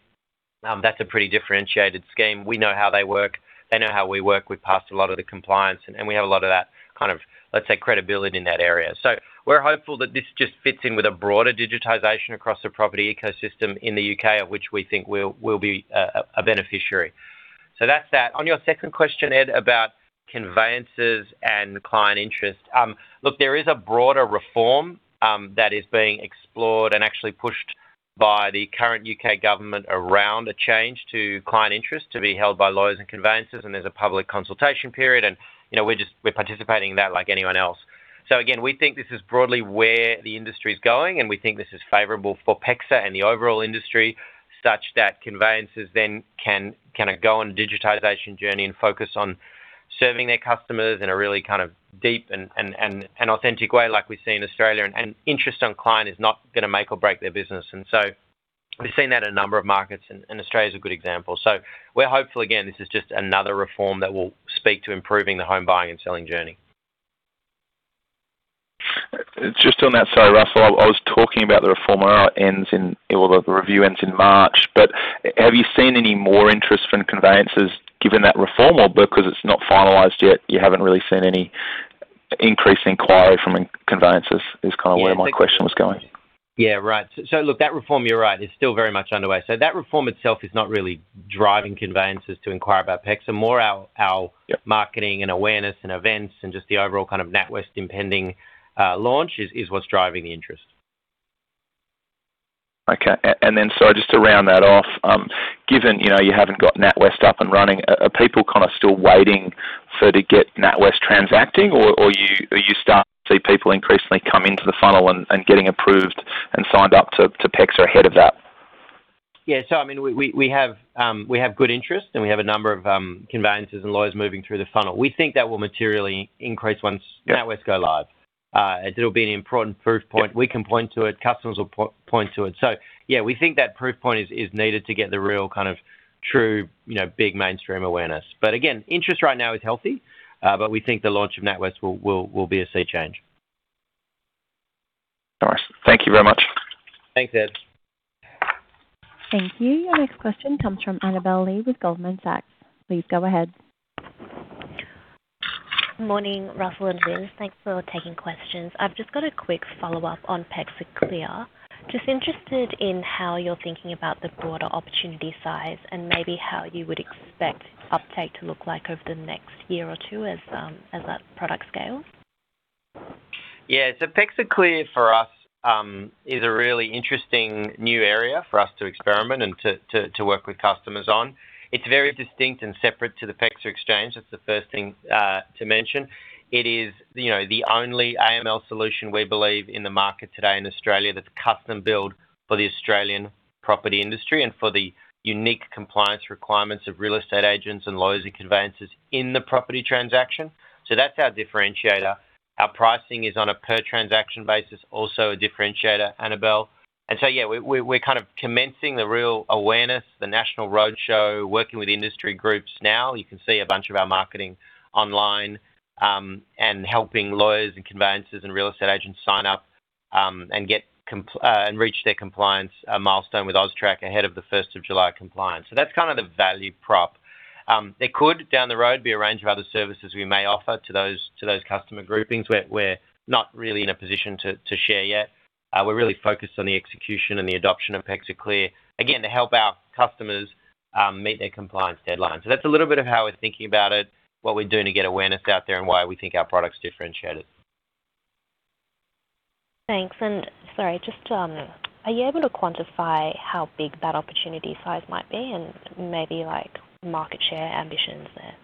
Speaker 3: That's a pretty differentiated scheme. We know how they work, they know how we work. We've passed a lot of the compliance, and we have a lot of that kind of, let's say, credibility in that area. We're hopeful that this just fits in with a broader digitization across the property ecosystem in the U.K., of which we think we'll be a beneficiary. That's that. On your second question, Ed, about conveyancers and client interest. Look, there is a broader reform that is being explored and actually pushed by the current U.K. government around a change to client interest to be held by lawyers and conveyancers, and there's a public consultation period, and, you know, we're participating in that like anyone else. Again, we think this is broadly where the industry is going, and we think this is favorable for PEXA and the overall industry, such that conveyancers then can, kinda go on a digitization journey and focus on serving their customers in a really kind of deep and authentic way, like we see in Australia. Interest on client is not gonna make or break their business. We've seen that in a number of markets. Australia is a good example. We're hopeful again, this is just another reform that will speak to improving the home buying and selling journey.
Speaker 9: Just on that, sorry, Russell, I was talking about the reform era ends in. Well, the review ends in March, but have you seen any more interest from the conveyancers given that reform or because it's not finalized yet, you haven't really seen any increase in inquiry from conveyancers, is kind of where my question was going?
Speaker 3: Yeah, right. Look, that reform, you're right, is still very much underway. That reform itself is not really driving conveyancers to inquire about PEXA. More our marketing and awareness and events and just the overall kind of NatWest impending launch is what's driving the interest.
Speaker 9: Okay, just to round that off, given, you know, you haven't got NatWest up and running, are people kind of still waiting for to get NatWest transacting? Or you start to see people increasingly come into the funnel and getting approved and signed up to PEXA ahead of that?
Speaker 3: Yeah, I mean, we have good interest, and we have a number of conveyancers and lawyers moving through the funnel. We think that will materially increase once NatWest go live. it'll be an important proof point. We can point to it, customers will point to it. Yeah, we think that proof point is needed to get the real kind of true, you know, big mainstream awareness. Again, interest right now is healthy, but we think the launch of NatWest will be a sea change.
Speaker 9: All right. Thank you very much.
Speaker 3: Thanks, Ed.
Speaker 1: Thank you. Your next question comes from Annabel Li with Goldman Sachs. Please go ahead.
Speaker 10: Morning, Russell and Liz. Thanks for taking questions. I've just got a quick follow-up on PEXA Clear. Just interested in how you're thinking about the broader opportunity size and maybe how you would expect uptake to look like over the next year or two as that product scales.
Speaker 3: PEXA Clear for us is a really interesting new area for us to experiment and to work with customers on. It's very distinct and separate to the PEXA Exchange. That's the first thing to mention. It is, you know, the only AML solution we believe in the market today in Australia, that's custom-built for the Australian property industry and for the unique compliance requirements of real estate agents and lawyers and conveyancers in the property transaction. That's our differentiator. Our pricing is on a per transaction basis, also a differentiator, Annabel Li. We're kind of commencing the real awareness, the national roadshow, working with industry groups now. You can see a bunch of our marketing online, and helping lawyers and conveyancers and real estate agents sign up, and get. Reach their compliance milestone with AUSTRAC ahead of the first of July compliance. That's kind of the value prop. There could, down the road, be a range of other services we may offer to those, to those customer groupings. We're not really in a position to share yet. We're really focused on the execution and the adoption of PEXA Clear, again, to help our customers meet their compliance deadlines. That's a little bit of how we're thinking about it, what we're doing to get awareness out there, and why we think our product is differentiated.
Speaker 10: Thanks. Sorry, just, are you able to quantify how big that opportunity size might be and maybe like market share ambitions there?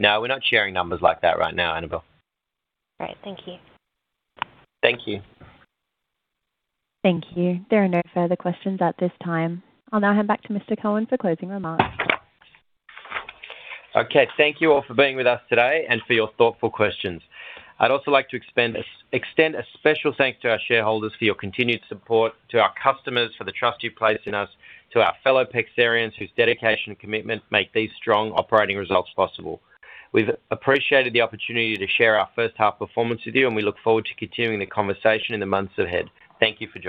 Speaker 3: No, we're not sharing numbers like that right now, Annabel.
Speaker 10: Great. Thank you.
Speaker 3: Thank you.
Speaker 1: Thank you. There are no further questions at this time. I'll now hand back to Mr. Cohen for closing remarks.
Speaker 3: Okay. Thank you all for being with us today and for your thoughtful questions. I'd also like to extend a special thanks to our shareholders for your continued support, to our customers for the trust you've placed in us, to our fellow PEXArians, whose dedication and commitment make these strong operating results possible. We've appreciated the opportunity to share our first half performance with you. We look forward to continuing the conversation in the months ahead. Thank you.